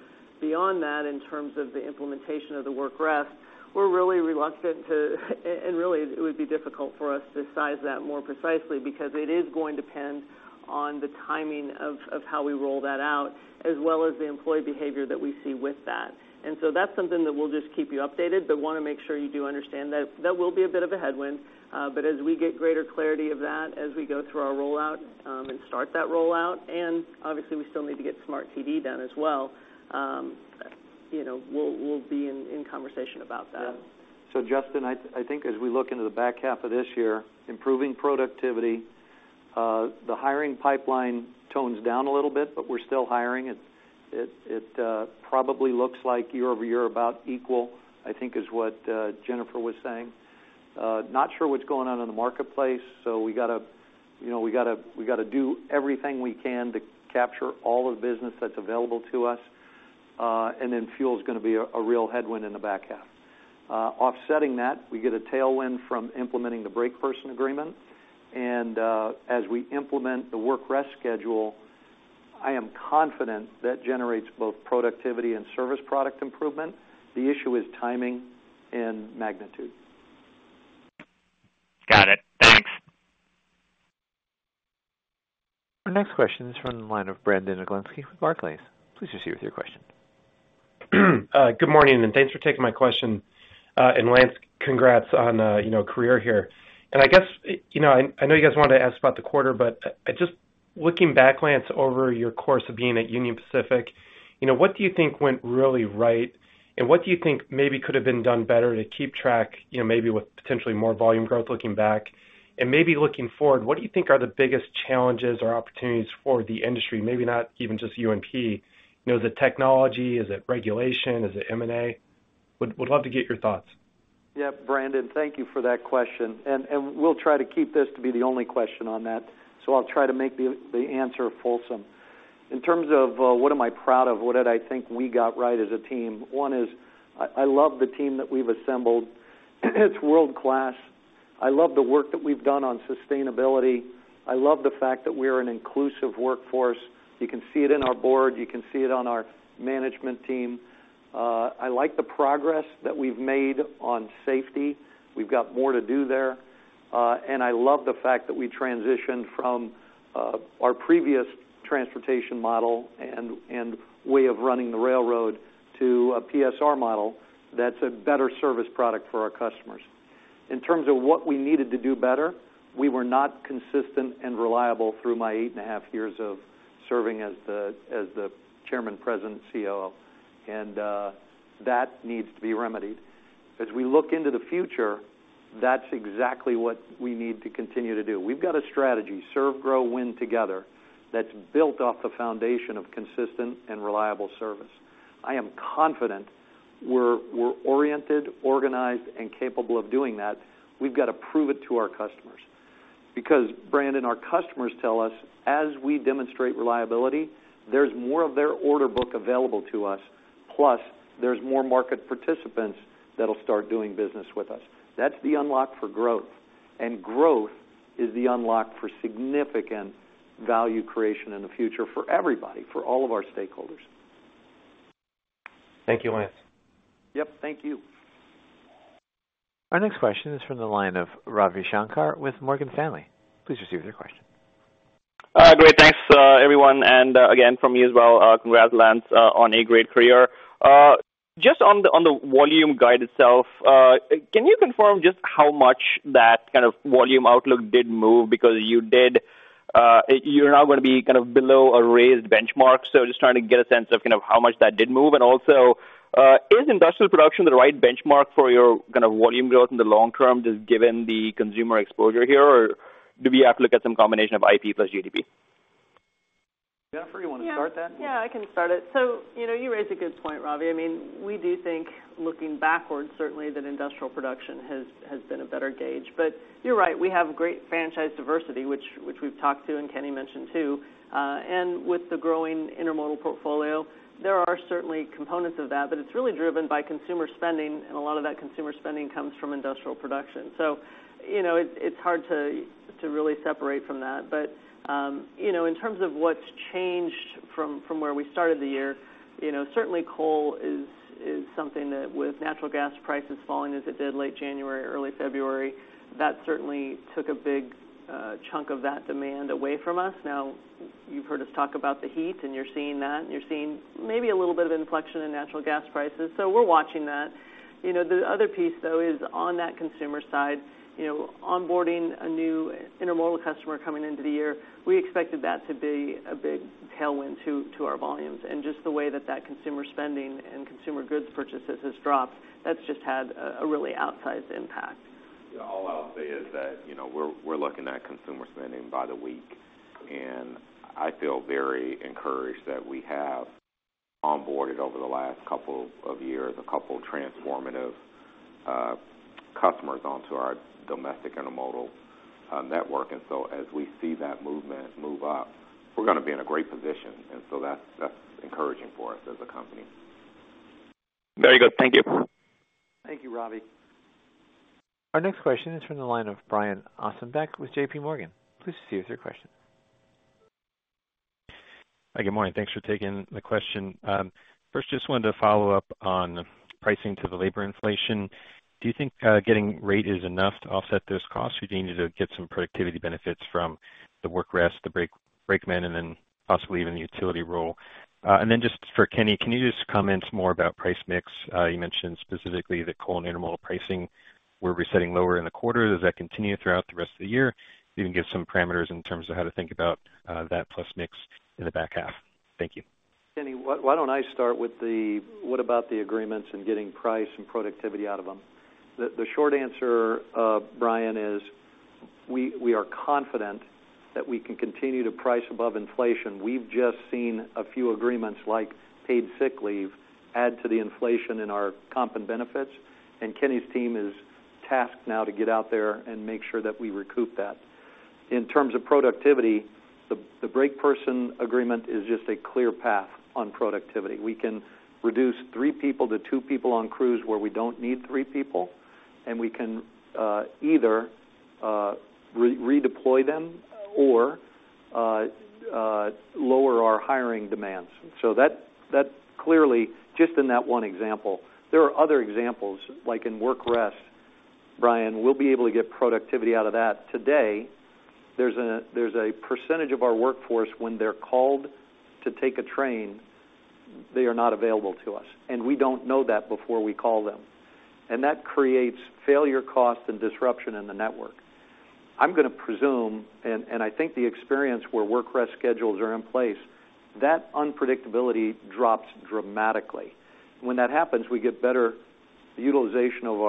Beyond that, in terms of the implementation of the work rest, we're really reluctant, it would be difficult for us to size that more precisely because it is going to depend on the timing of how we roll that out, as well as the employee behavior that we see with that. That's something that we'll just keep you updated, but wanna make sure you do understand that that will be a bit of a headwind, but as we get greater clarity of that, as we go through our rollout, and start that rollout, and obviously, we still need to get SMART-TD done as well, you know, we'll be in conversation about that. Justin, I think as we look into the back half of this year, improving productivity, the hiring pipeline tones down a little bit, but we're still hiring. It probably looks like year-over-year about equal, I think, is what Jennifer was saying. Not sure what's going on in the marketplace, we gotta, you know, we gotta do everything we can to capture all the business that's available to us, and then fuel is gonna be a real headwind in the back half. Offsetting that, we get a tailwind from implementing the break person agreement, as we implement the work rest schedule, I am confident that generates both productivity and service product improvement. The issue is timing and magnitude. Got it. Thanks. Our next question is from the line of Brandon Oglenski with Barclays. Please proceed with your question. Good morning, thanks for taking my question. Lance, congrats on, you know, career here. I guess, you know, I know you guys wanted to ask about the quarter, but just looking back, Lance, over your course of being at Union Pacific, you know, what do you think went really right? What do you think maybe could have been done better to keep track, you know, maybe with potentially more volume growth looking back? Maybe looking forward, what do you think are the biggest challenges or opportunities for the industry, maybe not even just UNP? You know, is it technology? Is it regulation? Is it M&A? Would love to get your thoughts. Yeah, Brandon, thank you for that question, and we'll try to keep this to be the only question on that, so I'll try to make the answer fulsome. In terms of what am I proud of, what did I think we got right as a team, one is, I love the team that we've assembled. It's world-class. I love the work that we've done on sustainability. I love the fact that we are an inclusive workforce. You can see it in our Board, you can see it on our management team. I like the progress that we've made on safety. We've got more to do there. I love the fact that we transitioned from our previous transportation model and way of running the railroad to a PSR model that's a better service product for our customers. In terms of what we needed to do better, we were not consistent and reliable through my eight and a half years of serving as the chairman, President, COO, and that needs to be remedied. As we look into the future, that's exactly what we need to continue to do. We've got a strategy, Serve, Grow, Win Together, that's built off the foundation of consistent and reliable service. I am confident we're oriented, organized, and capable of doing that. We've got to prove it to our customers. Because, Brandon, our customers tell us as we demonstrate reliability, there's more of their order book available to us, plus there's more market participants that'll start doing business with us. That's the unlock for growth, and growth is the unlock for significant value creation in the future for everybody, for all of our stakeholders. Thank you, Lance. Yep, thank you. Our next question is from the line of Ravi Shanker with Morgan Stanley. Please proceed with your question. Great. Thanks, everyone, again, from me as well, congrats, Lance, on a great career. Just on the volume guide itself, can you confirm just how much that kind of volume outlook did move? You're now gonna be kind of below a raised benchmark, just trying to get a sense of kind of how much that did move. Also, is industrial production the right benchmark for your kind of volume growth in the long term, just given the consumer exposure here, or do we have to look at some combination of IP plus GDP? Jennifer, you wanna start that? Yeah, I can start it. You know, you raise a good point, Ravi. I mean, we do think, looking backwards, certainly, that industrial production has been a better gauge. You're right, we have great franchise diversity, which we've talked to and Kenny mentioned, too. With the growing intermodal portfolio, there are certainly components of that, but it's really driven by consumer spending, and a lot of that consumer spending comes from industrial production. You know, it's hard to really separate from that. You know, in terms of what's changed from where we started the year, you know, certainly coal is something that, with natural gas prices falling as it did late January, early February, that certainly took a big chunk of that demand away from us. Now, you've heard us talk about the heat, and you're seeing that, and you're seeing maybe a little bit of inflection in natural gas prices, so we're watching that. You know, the other piece, though, is on that consumer side, you know, onboarding a new intermodal customer coming into the year, we expected that to be a big tailwind to our volumes. Just the way that that consumer spending and consumer goods purchases has dropped, that's just had a really outsized impact. You know, all I'll say is that, you know, we're looking at consumer spending by the week, and I feel very encouraged that we have onboarded over the last couple of years, a couple transformative customers onto our domestic intermodal network. As we see that movement move up, we're gonna be in a great position, and so that's encouraging for us as a company. Very good. Thank you. Thank you, Rob. Our next question is from the line of Brian Ossenbeck with JPMorgan. Please proceed with your question. Hi, good morning. Thanks for taking the question. First, just wanted to follow up on pricing to the labor inflation. Do you think getting rate is enough to offset those costs, or do you need to get some productivity benefits from the work rest, the break, brakeman, and then possibly even the utility role? Just for Kenny, can you just comment more about price mix? You mentioned specifically the coal and intermodal pricing were resetting lower in the quarter. Does that continue throughout the rest of the year? You can give some parameters in terms of how to think about that plus mix in the back half. Thank you. Kenny, why don't I start with the what about the agreements and getting price and productivity out of them? The short answer, Brian, is we are confident that we can continue to price above inflation. We've just seen a few agreements like paid sick leave, add to the inflation in our comp and benefits, and Kenny's team is tasked now to get out there and make sure that we recoup that. In terms of productivity, the break person agreement is just a clear path on productivity. We can reduce three people to two people on crews where we don't need three people, we can either redeploy them or lower our hiring demands. That clearly just in that 1 example. There are other examples, like in work rest, Brian, we'll be able to get productivity out of that. Today, there's a percentage of our workforce when they're called to take a train, they are not available to us, and we don't know that before we call them. That creates failure costs and disruption in the network. I'm gonna presume, and I think the experience where work rest schedules are in place, that unpredictability drops dramatically. When that happens, we get better utilization of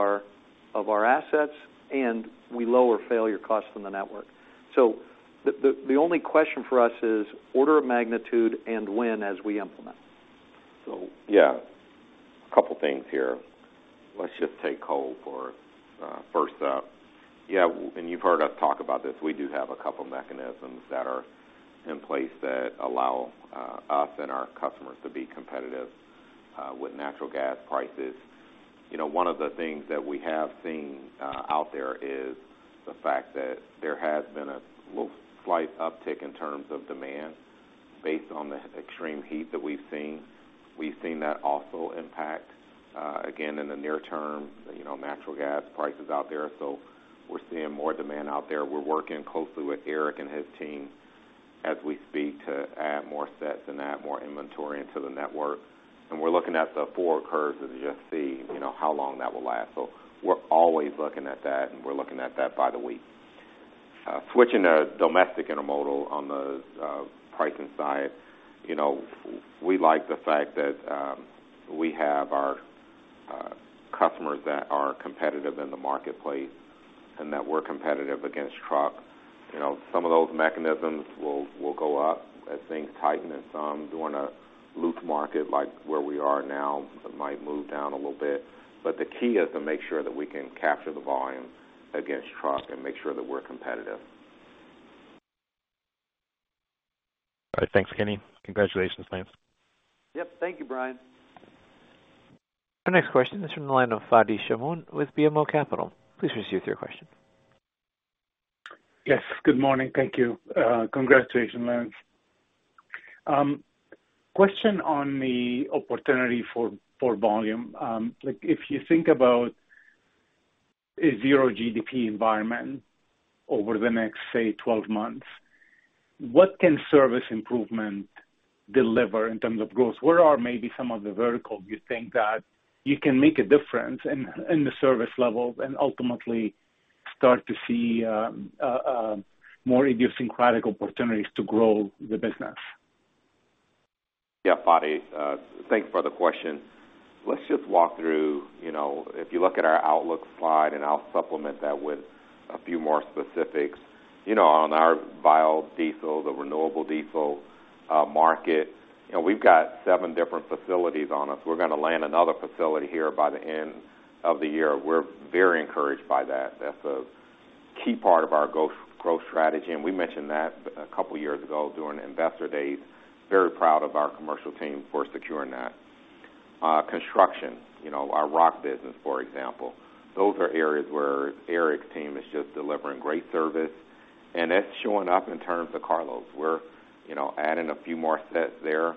our assets, and we lower failure costs in the network. The only question for us is order of magnitude and when, as we implement. Yeah, a couple of things here. Let's just take coal for first up. You've heard us talk about this. We do have a couple of mechanisms that are in place that allow us and our customers to be competitive with natural gas prices. You know, one of the things that we have seen out there is the fact that there has been a slight uptick in terms of demand based on the extreme heat that we've seen. We've seen that also impact again, in the near term, you know, natural gas prices out there. We're seeing more demand out there. We are working closely with Eric and his team as we speak, to add more sets and add more inventory into the network. We're looking at the forward curves to just see, you know, how long that will last. We're always looking at that, and we're looking at that by the week. Switching to domestic intermodal on the pricing side, you know, we like the fact that we have our customers that are competitive in the marketplace and that we're competitive against truck. You know, some of those mechanisms will go up as things tighten, and some during a loose market like where we are now, might move down a little bit. The key is to make sure that we can capture the volume against truck and make sure that we're competitive. All right, thanks, Kenny. Congratulations, Lance. Yep. Thank you, Brian. Our next question is from the line of Fadi Chamoun with BMO Capital. Please proceed with your question. Yes, good morning. Thank you. Congratulations, Lance. Question on the opportunity for volume. Like, if you think about a 0 GDP environment over the next, say, 12 months, what can service improvement deliver in terms of growth? Where are maybe some of the verticals you think that you can make a difference in the service level and ultimately start to see more reducing critical opportunities to grow the business? Yeah, Fadi, thanks for the question. Let's just walk through, you know, if you look at our outlook slide, I'll supplement that with a few more specifics. You know, on our biodiesel, the renewable diesel market, you know, we've got seven different facilities on us. We're gonna land another facility here by the end of the year. We're very encouraged by that. That's a key part of our growth strategy. We mentioned that a couple of years ago during Investor Day. Very proud of our commercial team for securing that. Construction, you know, our rock business, for example, those are areas where Eric's team is just delivering great service. That's showing up in terms of carloads. We're, you know, adding a few more sets there.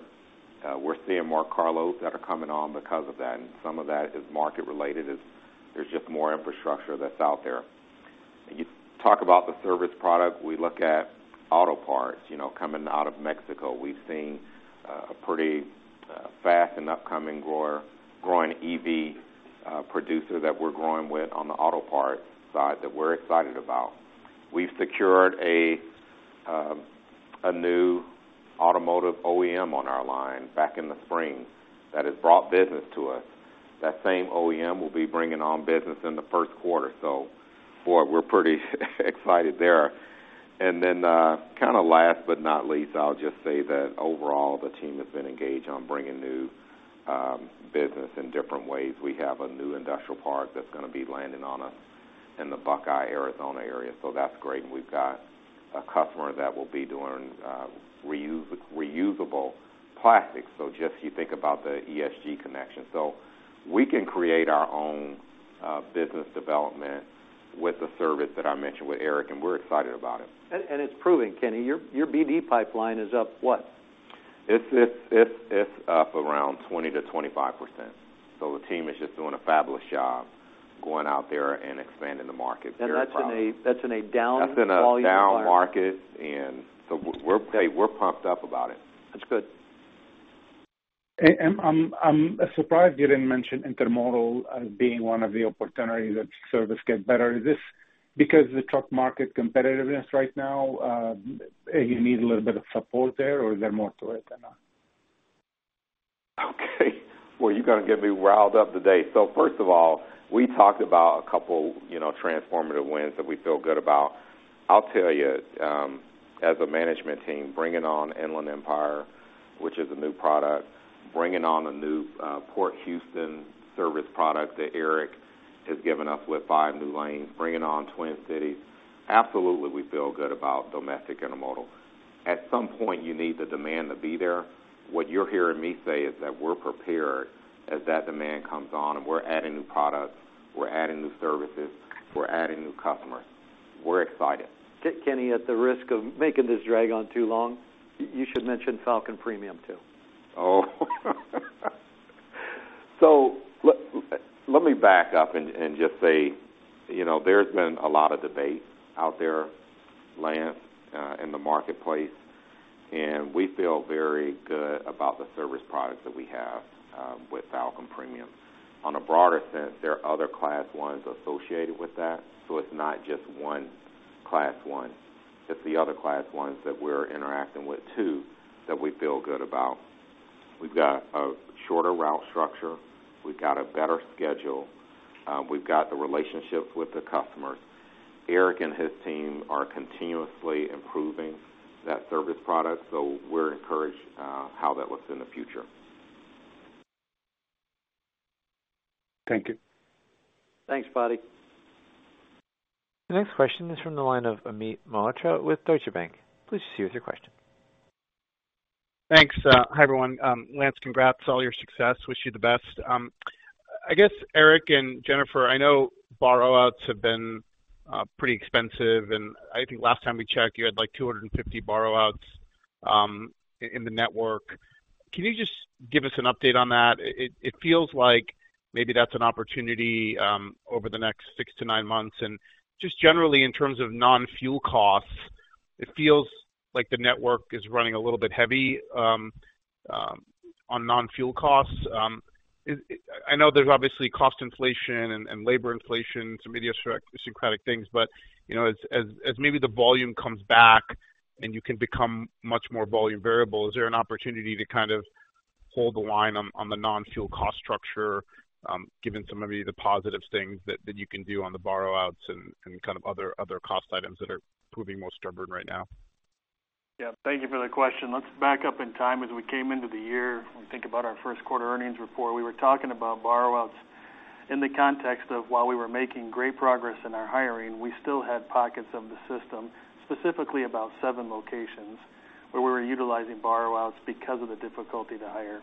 We're seeing more carloads that are coming on because of that, and some of that is market-related, as there's just more infrastructure that's out there. You talk about the service product, we look at auto parts, you know, coming out of Mexico. We've seen a pretty fast and growing EV producer that we're growing with on the auto part side that we're excited about. We've secured a new automotive OEM on our line back in the spring that has brought business to us. That same OEM will be bringing on business in the first quarter. Boy, we're pretty excited there. Kinda last but not least, I'll just say that overall, the team has been engaged on bringing new business in different ways. We have a new industrial park that's gonna be landing on us in the Buckeye, Arizona area, so that's great. We've got a customer that will be doing reusable plastic. Just you think about the ESG connection. We can create our own business development with the service that I mentioned with Eric, and we're excited about it. it's proving, Kenny, your BD pipeline is up what? It's up around 20%-25%. The team is just doing a fabulous job going out there and expanding the market. That's in a. That's in a down market, and so we're, hey, we're pumped up about it. That's good. I'm surprised you didn't mention intermodal as being one of the opportunities that service get better. Is this because the truck market competitiveness right now, you need a little bit of support there, or is there more to it than that? Okay, well, you're gonna get me riled up today. First of all, we talked about a couple, you know, transformative wins that we feel good about. I'll tell you, as a management team, bringing on Inland Empire, which is a new product, bringing on a new Port Houston service product that Eric has given us with five new lanes, bringing on Twin Cities, absolutely, we feel good about domestic intermodal. At some point, you need the demand to be there. What you're hearing me say is that we're prepared as that demand comes on, and we're adding new products, we're adding new services, we're adding new customers. We're excited. Kenny, at the risk of making this drag on too long, you should mention Falcon Premium too. Let me back up and just say, you know, there's been a lot of debate out there, Lance Fritz, in the marketplace, and we feel very good about the service products that we have with Falcon Premium. On a broader sense, there are other class ones associated with that, so it's not just one class one. It's the other class ones that we're interacting with, too, that we feel good about. We've got a shorter route structure. We've got a better schedule. We've got the relationships with the customers. Eric Gehringer and his team are continuously improving that service product, so we're encouraged how that looks in the future. Thank you. Thanks, Fadi. The next question is from the line of Amit Mehrotra with Deutsche Bank. Please proceed with your question. Thanks. Hi, everyone. Lance, congrats, all your success. Wish you the best. I guess, Eric and Jennifer, I know borrow-outs have been pretty expensive, and I think last time we checked, you had, like, 250 borrow-outs in the network. Can you just give us an update on that? It feels like maybe that's an opportunity over the next six to nine months. Just generally, in terms of non-fuel costs, it feels like the network is running a little bit heavy on non-fuel costs. I know there's obviously cost inflation and labor inflation, some idiosyncratic things, but, you know, as maybe the volume comes back and you can become much more volume variable, is there an opportunity to kind of hold the line on the non-fuel cost structure given some of the positive things that you can do on the borrowouts and kind of other cost items that are proving more stubborn right now? Yeah, thank you for the question. Let's back up in time. We came into the year and think about our first quarter earnings report, we were talking about borrowouts in the context of while we were making great progress in our hiring, we still had pockets of the system, specifically about seven locations, where we were utilizing borrowouts because of the difficulty to hire.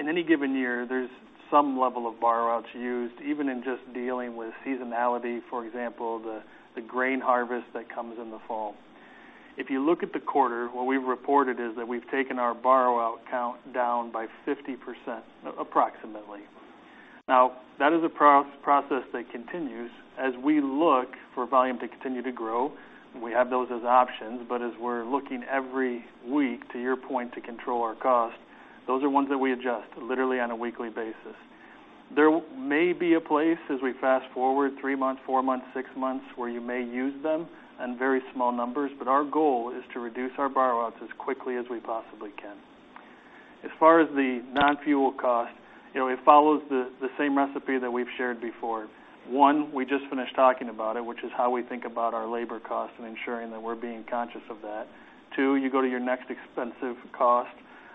In any given year, there's some level of borrowouts used, even in just dealing with seasonality, for example, the grain harvest that comes in the fall. If you look at the quarter, what we've reported is that we've taken our borrowout count down by 50%, approximately. That is a process that continues as we look for volume to continue to grow. We have those as options, but as we're looking every week, to your point, to control our costs, those are ones that we adjust literally on a weekly basis. There may be a place, as we fast-forward three months, four months, six months, where you may use them in very small numbers, but our goal is to reduce our borrowouts as quickly as we possibly can. As far as the non-fuel cost, you know, it follows the same recipe that we've shared before. One, we just finished talking about it, which is how we think about our labor costs and ensuring that we're being conscious of that. Two, you go to your next expensive cost,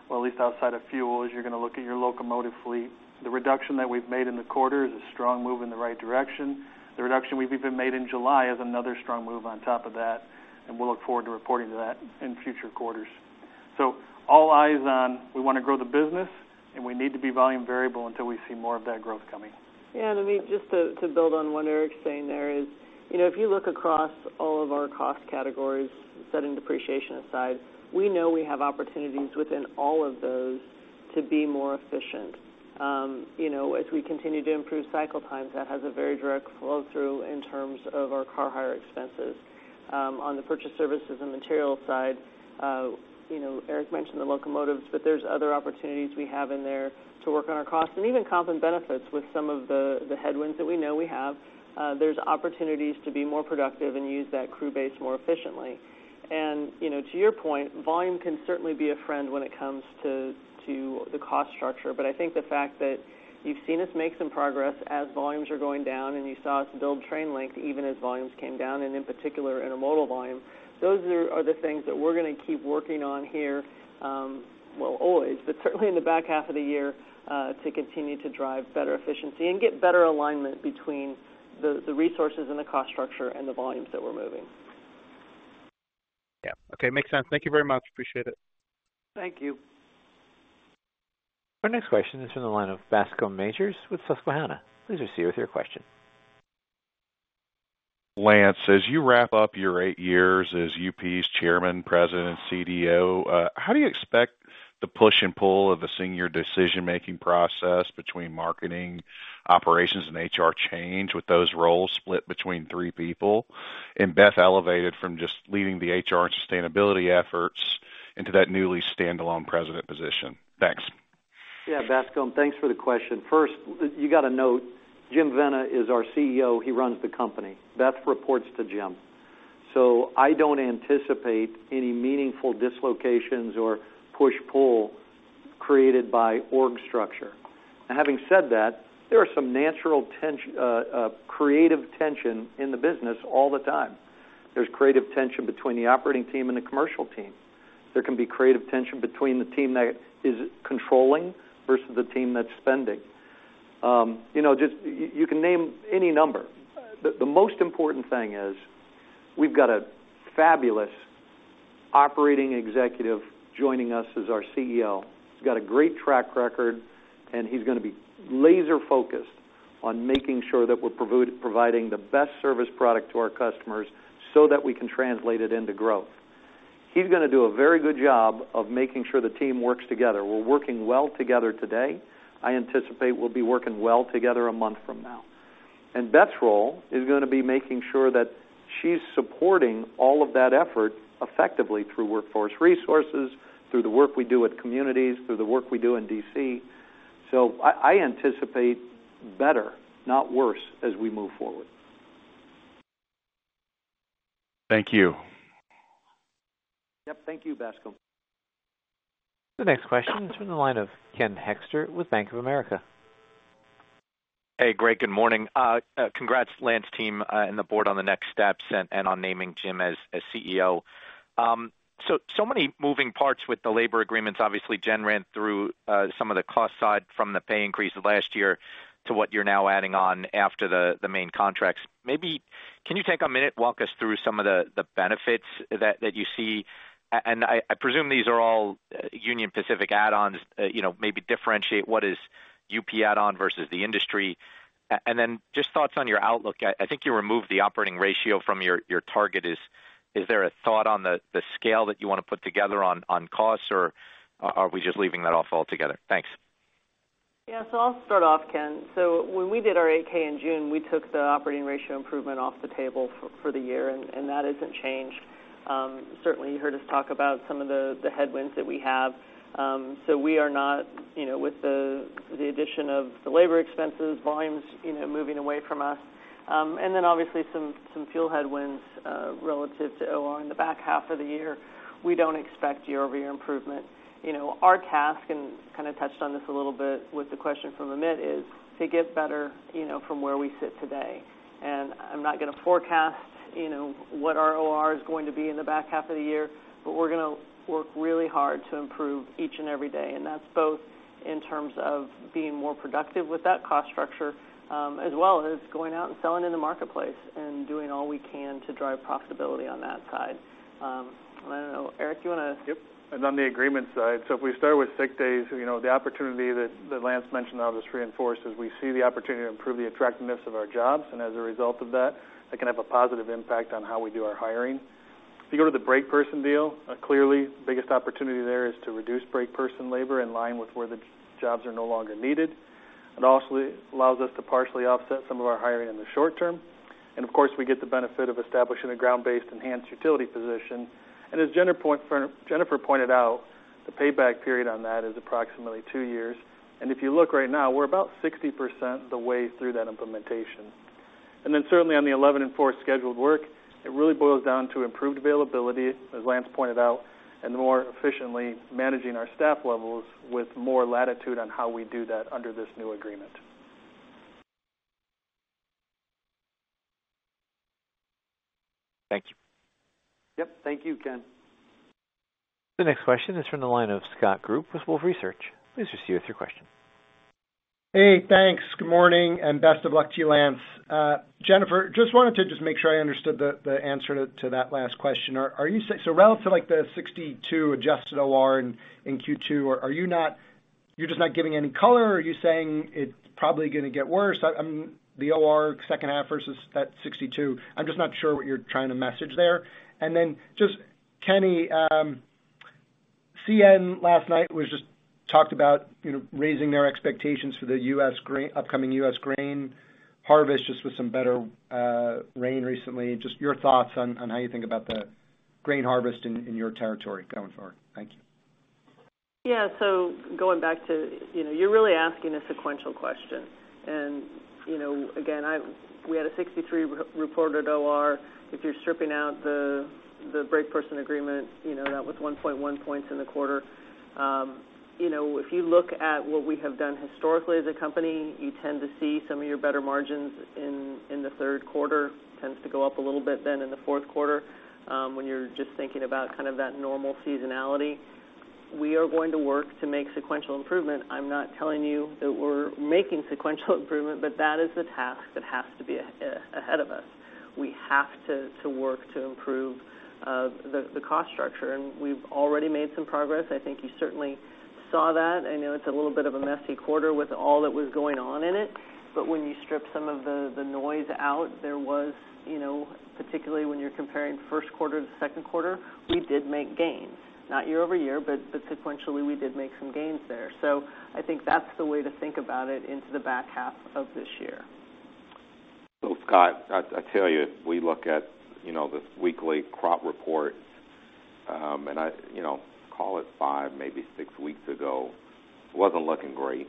or at least outside of fuel, is you're gonna look at your locomotive fleet. The reduction that we've made in the quarter is a strong move in the right direction. The reduction we've even made in July is another strong move on top of that, and we'll look forward to reporting to that in future quarters. All eyes on, we wanna grow the business, and we need to be volume variable until we see more of that growth coming. Yeah, I mean, just to build on what Eric's saying there is, you know, if you look across all of our cost categories, setting depreciation aside, we know we have opportunities within all of those to be more efficient. You know, as we continue to improve cycle times, that has a very direct flow-through in terms of our car hire expenses. On the purchase services and material side, you know, Eric mentioned the locomotives, there's other opportunities we have in there to work on our costs and even comp and benefits with some of the headwinds that we know we have. There's opportunities to be more productive and use that crew base more efficiently. You know, to your point, volume can certainly be a friend when it comes to the cost structure. I think the fact that you've seen us make some progress as volumes are going down, and you saw us build train length even as volumes came down, and in particular, intermodal volume, those are the things that we're gonna keep working on here, well, always, but certainly in the back half of the year, to continue to drive better efficiency and get better alignment between the resources and the cost structure and the volumes that we're moving. Yeah. Okay, makes sense. Thank you very much. Appreciate it. Thank you. Our next question is from the line of Bascomee Majors with Susquehanna. Please proceed with your question. Lance, as you wrap up your eight years as Union Pacific's Chairman, President, and CEO, how do you expect the push and pull of the senior decision-making process between marketing, operations, and HR change with those roles split between three people, and Beth elevated from just leading the HR and sustainability efforts into that newly standalone President position? Thanks. Yeah, Bascome, thanks for the question. First, you got to note, Jim Vena is our CEO. He runs the company. Beth reports to Jim, so I don't anticipate any meaningful dislocations or push-pull created by org structure. Having said that, there are some natural creative tension in the business all the time. There's creative tension between the operating team and the commercial team. There can be creative tension between the team that is controlling versus the team that's spending. You know, just, you can name any number. The, the most important thing is, we've got a fabulous operating executive joining us as our CEO. He's got a great track record, and he's gonna be laser-focused on making sure that we're providing the best service product to our customers so that we can translate it into growth. He's gonna do a very good job of making sure the team works together. We're working well together today. I anticipate we'll be working well together a month from now. Beth's role is gonna be making sure that she's supporting all of that effort effectively through workforce resources, through the work we do with communities, through the work we do in D.C. I anticipate better, not worse, as we move forward. Thank you. Yep. Thank you, Bascome. The next question is from the line of Ken Hoexter with Bank of America. Hey, great, good morning. Congrats, Lance team, and the board on the next steps and on naming Jim as CEO. So many moving parts with the labor agreements. Obviously, Jen ran through some of the cost side from the pay increase of last year to what you're now adding on after the main contracts. Maybe can you take a minute, walk us through some of the benefits that you see? And I presume these are all Union Pacific add-ons. You know, maybe differentiate what is UP add-on versus the industry. And just thoughts on your outlook. I think you removed the operating ratio from your target. Is there a thought on the scale that you want to put together on costs, or are we just leaving that off altogether? Thanks. Yeah, I'll start off, Ken Hoexter. When we did our 8-K in June, we took the operating ratio improvement off the table for the year, and that hasn't changed. Certainly, you heard us talk about some of the headwinds that we have. We are not, you know, with the addition of the labor expenses, volumes, you know, moving away from us, obviously some fuel headwinds relative to OR in the back half of the year, we don't expect year-over-year improvement. You know, our task, kind of touched on this a little bit with the question from Amit Mehrotra, is to get better, you know, from where we sit today. I'm not going to forecast, you know, what our OR is going to be in the back half of the year, but we're going to work really hard to improve each and every day, and that's both in terms of being more productive with that cost structure, as well as going out and selling in the marketplace and doing all we can to drive profitability on that side. I don't know. Eric. Yep. On the agreement side, if we start with sick days, you know, the opportunity that Lance mentioned, I'll just reinforce, is we see the opportunity to improve the attractiveness of our jobs, and as a result of that can have a positive impact on how we do our hiring. If you go to the break person deal, clearly, the biggest opportunity there is to reduce break person labor in line with where the jobs are no longer needed. It also allows us to partially offset some of our hiring in the short term. Of course, we get the benefit of establishing a ground-based enhanced utility position. As Jennifer pointed out, the payback period on that is approximately two years. If you look right now, we're about 60% the way through that implementation. Certainly on the 11 and 4 scheduled work, it really boils down to improved availability, as Lance pointed out, and more efficiently managing our staff levels with more latitude on how we do that under this new agreement. Thank you. Yep. Thank you, Ken. The next question is from the line of Scott Group with Wolfe Research. Please proceed with your question. Hey, thanks. Good morning, best of luck to you, Lance. Jennifer, just wanted to make sure I understood the answer to that last question. Relative to the 62 adjusted OR in Q2, you're just not giving any color, or are you saying it's probably gonna get worse? The OR second half versus that 62. I'm just not sure what you're trying to message there. Kenny, CN last night was talked about raising their expectations for the upcoming US grain harvest, with some better rain recently. Just your thoughts on how you think about the grain harvest in your territory going forward. Thank you. Going back to, you know, you're really asking a sequential question. You know, again, we had a 63 re-reported OR. If you're stripping out the break person agreement, you know, that was 1.1 points in the quarter. If you look at what we have done historically as a company, you tend to see some of your better margins in the third quarter, tends to go up a little bit then in the fourth quarter, when you're just thinking about kind of that normal seasonality. We are going to work to make sequential improvement. I'm not telling you that we're making sequential improvement, but that is the task that has to be ahead of us. We have to work to improve the cost structure, and we've already made some progress. I think you certainly saw that. I know it's a little bit of a messy quarter with all that was going on in it, but when you strip some of the noise out, there was, you know, particularly when you're comparing first quarter to second quarter, we did make gains. Not year-over-year, but sequentially, we did make some gains there. I think that's the way to think about it into the back half of this year. Scott, I tell you, we look at, you know, the weekly crop report, and I, you know, call it five, maybe six weeks ago, it wasn't looking great.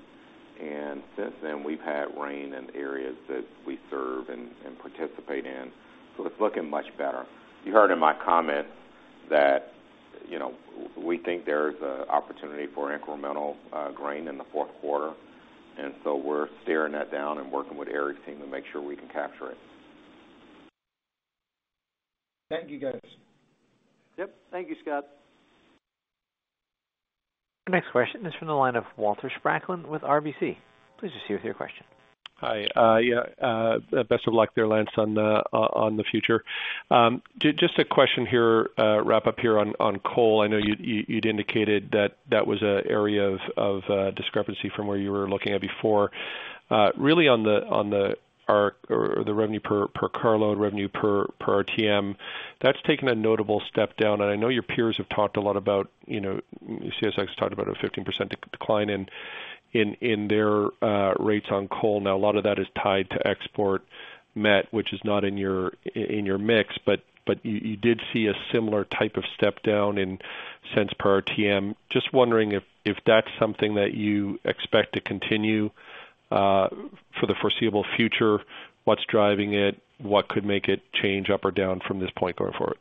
Since then, we've had rain in areas that we serve and participate in, so it's looking much better. You heard in my comment that, you know, we think there's a opportunity for incremental grain in the fourth quarter, and so we're staring that down and working with Eric's team to make sure we can capture it. Thank you, guys. Yep. Thank you, Scott. The next question is from the line of Walter Spracklin with RBC. Please just see with your question. Hi. Best of luck there, Lance, on the future. Just a question here, wrap up here on coal. I know you'd indicated that that was an area of discrepancy from where you were looking at before. Really on the revenue per carload, revenue per RTM, that's taken a notable step down. I know your peers have talked a lot about, you know, CSX talked about a 15% decline in their rates on coal. Now, a lot of that is tied to export met, which is not in your mix, but you did see a similar type of step down in cents per RTM. Just wondering if that's something that you expect to continue for the foreseeable future, what's driving it? What could make it change up or down from this point going forward?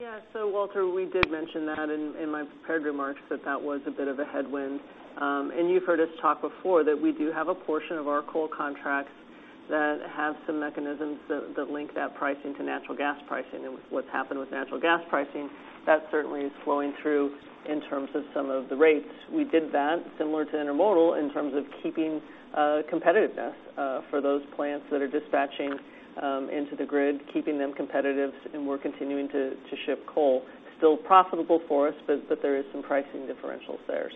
Yeah. Walter, we did mention that in my prepared remarks, that that was a bit of a headwind. What's happened with natural gas pricing, that certainly is flowing through in terms of some of the rates. We did that similar to Intermodal in terms of keeping competitiveness for those plants that are dispatching into the grid, keeping them competitive, and we're continuing to ship coal. Still profitable for us, but there is some pricing differentials there.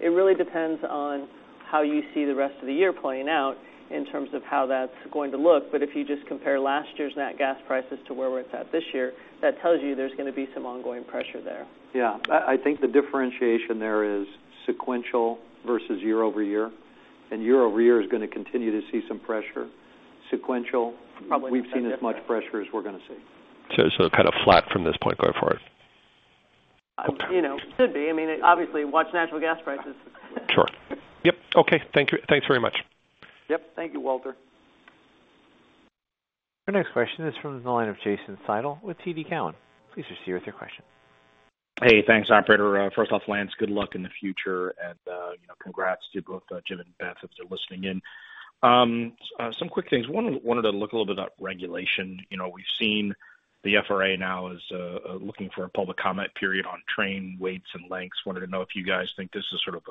It really depends on how you see the rest of the year playing out in terms of how that's going to look. If you just compare last year's net gas prices to where we're at this year, that tells you there's gonna be some ongoing pressure there. Yeah. I think the differentiation there is sequential versus year-over-year. Year-over-year is gonna continue to see some pressure. Probably- we've seen as much pressure as we're gonna see. Kind of flat from this point going forward? You know, could be. I mean, obviously, watch natural gas prices. Sure. Yep. Okay, thank you. Thanks very much. Yep. Thank you, Walter. Our next question is from the line of Jason Seidl with TD Cowen. Please proceed with your question. Hey, thanks, operator. First off, Lance Fritz, good luck in the future, and, you know, congrats to both Jim Vena and Beth Whited, if they're listening in. Some quick things. One, wanted to look a little bit about regulation. You know, we've seen the FRA now is looking for a public comment period on train weights and lengths. Wanted to know if you guys think this is sort of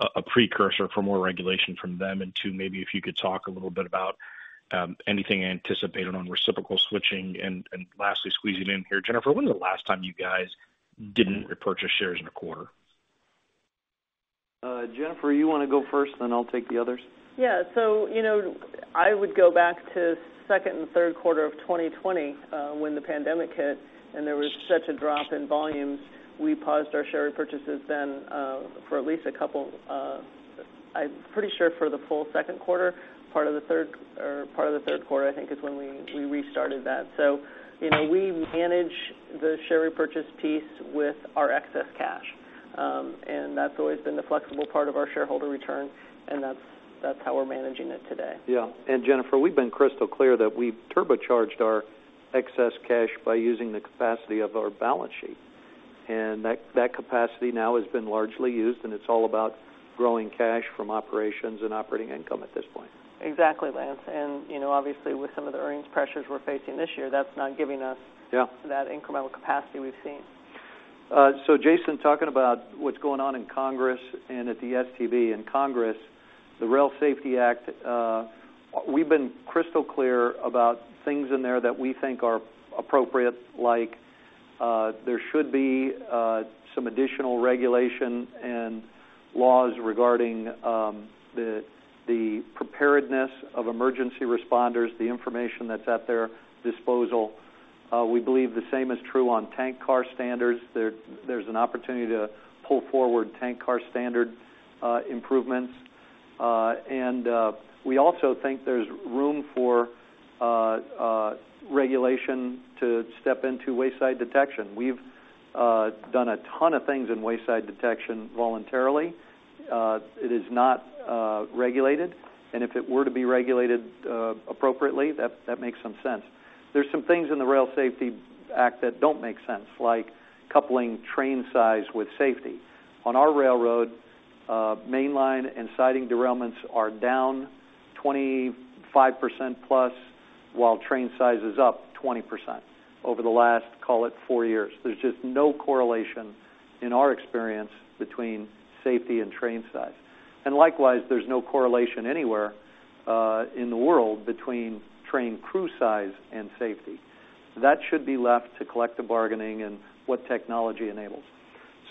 a precursor for more regulation from them, and two, maybe if you could talk a little bit about anything anticipated on reciprocal switching. Lastly, squeezing in here, Jennifer Hamann, when was the last time you guys didn't repurchase shares in a quarter? Jennifer, you wanna go first, then I'll take the others? Yeah. You know, I would go back to second and third quarter of 2020, when the pandemic hit and there was such a drop in volumes, we paused our share repurchases then, for at least a couple, I'm pretty sure for the full second quarter, part of the third, or part of the third quarter, I think, is when we restarted that. You know, we manage the share repurchase piece with our excess cash, and that's always been the flexible part of our shareholder return, and that's how we're managing it today. Yeah. Jennifer, we've been crystal clear that we've turbocharged our excess cash by using the capacity of our balance sheet, and that capacity now has been largely used, and it's all about growing cash from operations and operating income at this point. Exactly, Lance. You know, obviously, with some of the earnings pressures we're facing this year, that's not giving us- Yeah that incremental capacity we've seen. Jason, talking about what's going on in Congress and at the STB. In Congress, the Railway Safety Act, we've been crystal clear about things in there that we think are appropriate, like there should be some additional regulation and laws regarding the preparedness of emergency responders, the information that's at their disposal. We believe the same is true on tank car standards. There's an opportunity to pull forward tank car standard improvements. We also think there's room for regulation to step into Wayside Detection. We've done a ton of things in Wayside Detection voluntarily. It is not regulated, and if it were to be regulated appropriately, that makes some sense. There's some things in the Railway Safety Act that don't make sense, like coupling train size with safety. On our railroad, mainline and siding derailments are down 25% plus, while train size is up 20% over the last, call it, 4 years. There's just no correlation in our experience between safety and train size. Likewise, there's no correlation anywhere in the world between train crew size and safety. That should be left to collective bargaining and what technology enables.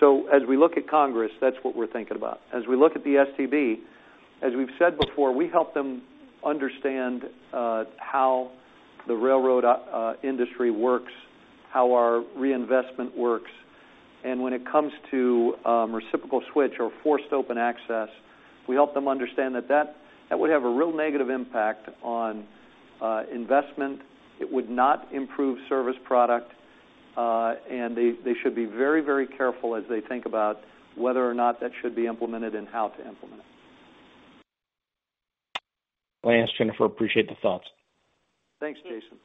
As we look at Congress, that's what we're thinking about. As we look at the STB, as we've said before, we help them understand how the railroad industry works, how our reinvestment works, and when it comes to reciprocal switch or forced open access, we help them understand that would have a real negative impact on investment. It would not improve service product, they should be very, very careful as they think about whether or not that should be implemented and how to implement it. Lance, Jennifer, appreciate the thoughts. Thanks, Jason.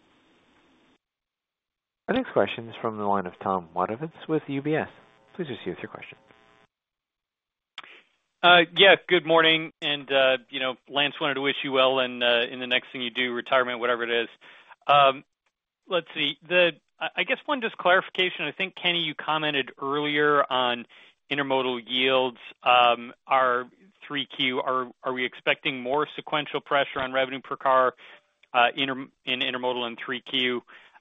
Our next question is from the line of Tom Wadewitz with UBS. Please proceed with your question. Good morning. You know, Lance Fritz, wanted to wish you well in the next thing you do, retirement, whatever it is. I guess one just clarification. I think, Kenny Rocker, you commented earlier on intermodal yields, are 3Q. Are we expecting more sequential pressure on revenue per car in intermodal and 3Q?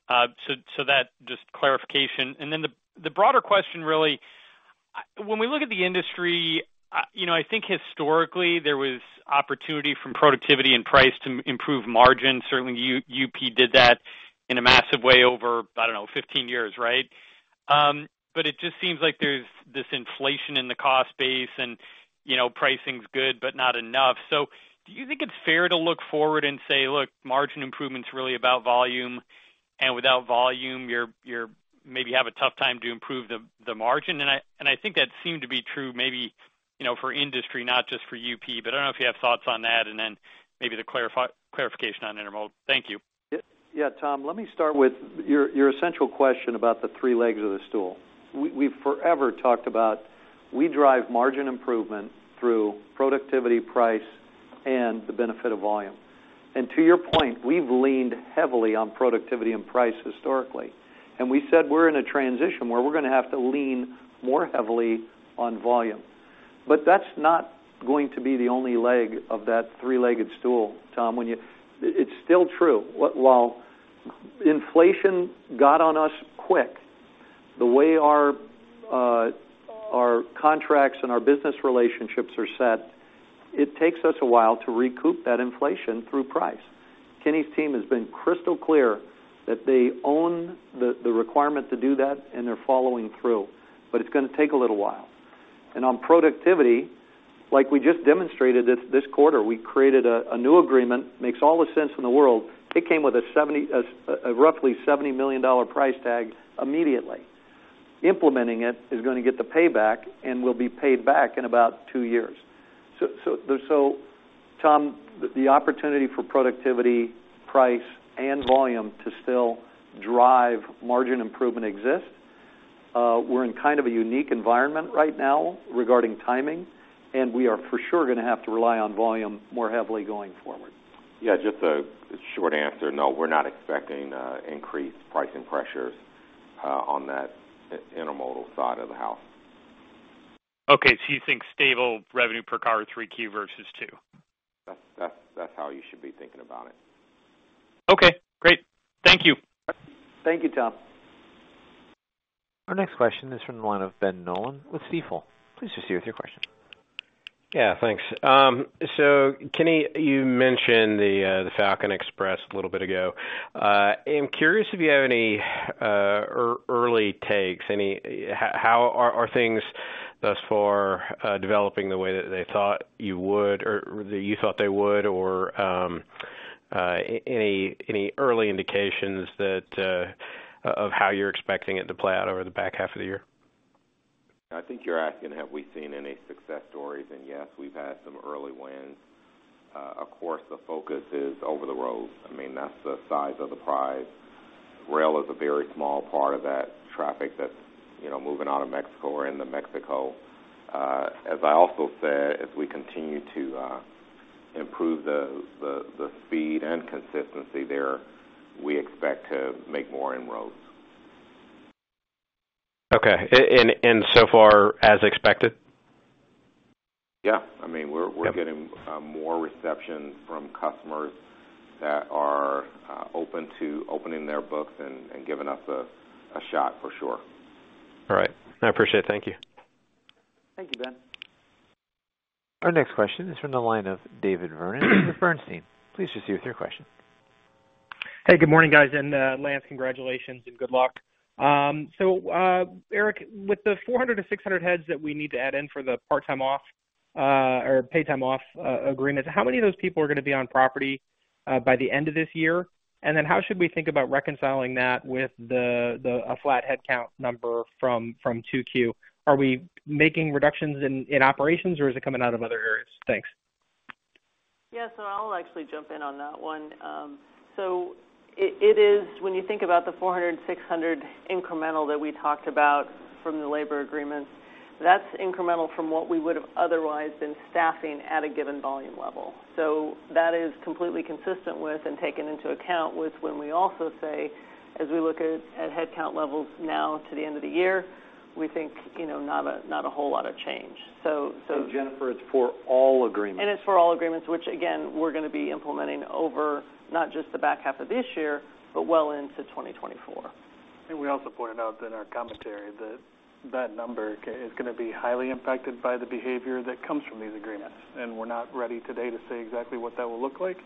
So that just clarification. Then the broader question, really, when we look at the industry, you know, I think historically there was opportunity from productivity and price to improve margin. Certainly, UP did that in a massive way over, I don't know, 15 years, right? But it just seems like there's this inflation in the cost base and, you know, pricing's good, but not enough. Do you think it's fair to look forward and say, "Look, margin improvement's really about volume, and without volume, you're maybe have a tough time to improve the margin?" I think that seemed to be true, maybe, you know, for industry, not just for UP, but I don't know if you have thoughts on that and then maybe clarification on intermodal. Thank you. Yeah, Tom Wadewitz, let me start with your essential question about the three legs of the stool. We've forever talked about, we drive margin improvement through productivity, price, and the benefit of volume. To your point, we've leaned heavily on productivity and price historically, and we said we're gonna have to lean more heavily on volume. That's not going to be the only leg of that three-legged stool, Tom Wadewitz. It's still true. While inflation got on us quick, the way our contracts and our business relationships are set, it takes us a while to recoup that inflation through price. Kenny Rocker's team has been crystal clear that they own the requirement to do that, and they're following through, but it's gonna take a little while. On productivity, like we just demonstrated this quarter, we created a new agreement, makes all the sense in the world. It came with a roughly $70 million price tag immediately. Implementing it is going to get the payback and will be paid back in about two years. So there, Tom Wadewitz, the opportunity for productivity, price, and volume to still drive margin improvement exists. We're in kind of a unique environment right now regarding timing, and we are for sure going to have to rely on volume more heavily going forward. Yeah, just a short answer. No, we're not expecting increased pricing pressures on that intermodal side of the house. Okay, you think stable revenue per car, 3Q versus 2? That's how you should be thinking about it. Okay, great. Thank you. Thank you, Tom. Our next question is from the line of Ben Nolan with Stifel. Please proceed with your question. Thanks. Kenny, you mentioned the Falcon Premium a little bit ago. I'm curious if you have any early takes. How are things thus far developing the way that they thought you would or that you thought they would? Any early indications that of how you're expecting it to play out over the back half of the year? I think you're asking, have we seen any success stories? Yes, we've had some early wins. Of course, the focus is over the road. I mean, that's the size of the prize. Rail is a very small part of that traffic that's, you know, moving out of Mexico or into Mexico. As I also said, as we continue to improve the speed and consistency there, we expect to make more inroads. Okay. So far as expected? Yeah. I mean. Yep. we're getting more reception from customers that are open to opening their books and giving us a shot, for sure. All right. I appreciate it. Thank you. Thank you, Ben. Our next question is from the line of David Vernon with Bernstein. Please proceed with your question. Hey, good morning, guys, and Lance, congratulations and good luck. Eric, with the 400-600 heads that we need to add in for the part-time off, or paid time off, agreement, how many of those people are going to be on property by the end of this year? How should we think about reconciling that with a flat headcount number from 2Q? Are we making reductions in operations, or is it coming out of other areas? Thanks. Yeah. I'll actually jump in on that one. It is when you think about the 400, 600 incremental that we talked about from the labor agreements, that's incremental from what we would have otherwise been staffing at a given volume level. That is completely consistent with and taken into account with when we also say, as we look at headcount levels now to the end of the year, we think, you know, not a, not a whole lot of change. Jennifer, it's for all agreements. It's for all agreements, which, again, we're going to be implementing over not just the back half of this year, but well into 2024. We also pointed out in our commentary that that number is going to be highly impacted by the behavior that comes from these agreements, and we're not ready today to say exactly what that will look like.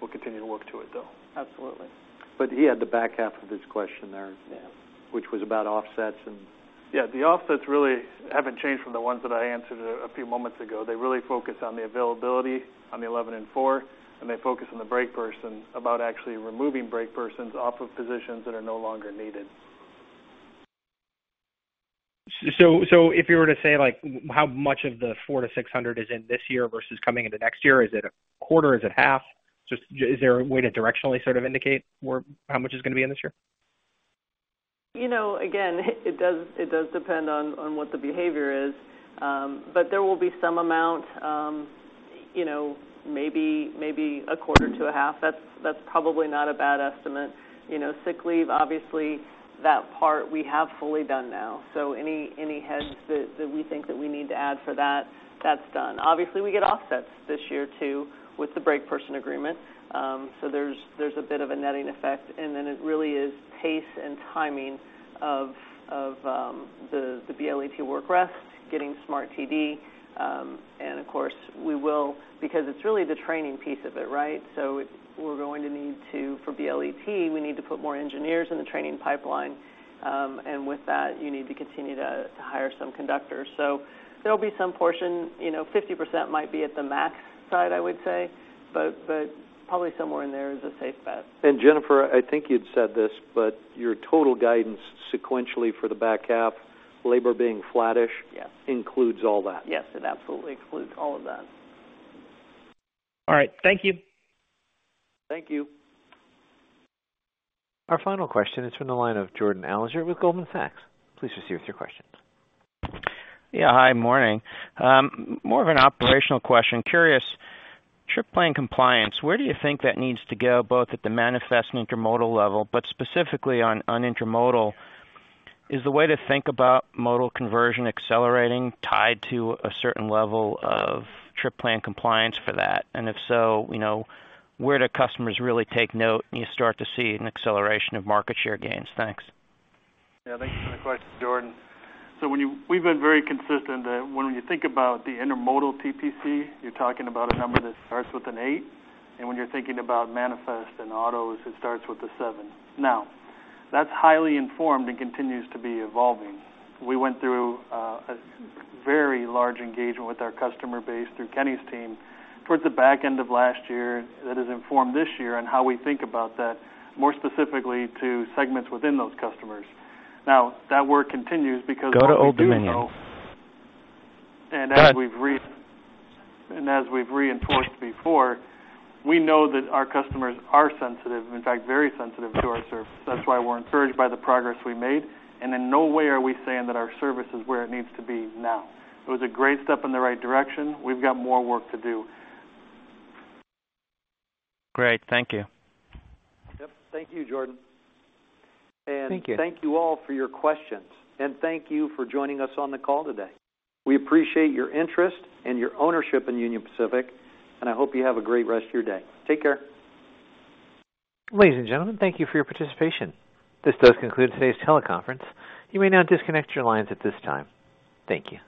We'll continue to work to it, though. Absolutely. He had the back half of his question there. Yeah. which was about offsets and... The offsets really haven't changed from the ones that I answered a few moments ago. They really focus on the availability on the 11 and four, and they focus on the break person, about actually removing break persons off of positions that are no longer needed. If you were to say, like, how much of the $400-$600 is in this year versus coming into next year, is it a quarter? Is it half? Just, is there a way to directionally sort of indicate where, how much is going to be in this year? You know, again, it does depend on what the behavior is, there will be some amount, you know, maybe a quarter to a half. That's probably not a bad estimate. You know, sick leave, obviously, that part we have fully done now, so any heads that we think that we need to add for that's done. Obviously, we get offsets this year, too, with the break person agreement. There's a bit of a netting effect, it really is pace and timing of the BLET work rest, getting SMART-TD. Of course, we will, because it's really the training piece of it, right? We're going to need to, for BLET, we need to put more engineers in the training pipeline. With that, you need to continue to hire some conductors. There'll be some portion, you know, 50% might be at the max side, I would say, but probably somewhere in there is a safe bet. Jennifer, I think you'd said this, but your total guidance sequentially for the back half, labor being flattish- Yes. includes all that? Yes, it absolutely includes all of that. All right. Thank you. Thank you. Our final question is from the line of Jordan Alliger with Goldman Sachs. Please proceed with your questions. Yeah, hi, morning. More of an operational question. Curious, trip plan compliance, where do you think that needs to go, both at the manifest and intermodal level, but specifically on intermodal, is the way to think about modal conversion accelerating, tied to a certain level of trip plan compliance for that? If so, you know, where do customers really take note, and you start to see an acceleration of market share gains? Thanks. Thank you for the question, Jordan Alliger. We've been very consistent that when you think about the intermodal TPC, you're talking about a number that starts with an eight, and when you're thinking about manifest and autos, it starts with a seven. That's highly informed and continues to be evolving. We went through a very large engagement with our customer base through Kenny Rocker's team towards the back end of last year that has informed this year on how we think about that, more specifically to segments within those customers. That work continues because- Go to Old Dominion. And as we've re- But- As we've reinforced before, we know that our customers are sensitive, and in fact, very sensitive to our service. That's why we're encouraged by the progress we made, and in no way are we saying that our service is where it needs to be now. It was a great step in the right direction. We've got more work to do. Great. Thank you. Yep. Thank you, Jordan. Thank you. Thank you all for your questions, and thank you for joining us on the call today. We appreciate your interest and your ownership in Union Pacific, and I hope you have a great rest of your day. Take care. Ladies and gentlemen, thank you for your participation. This does conclude today's teleconference. You may now disconnect your lines at this time. Thank you.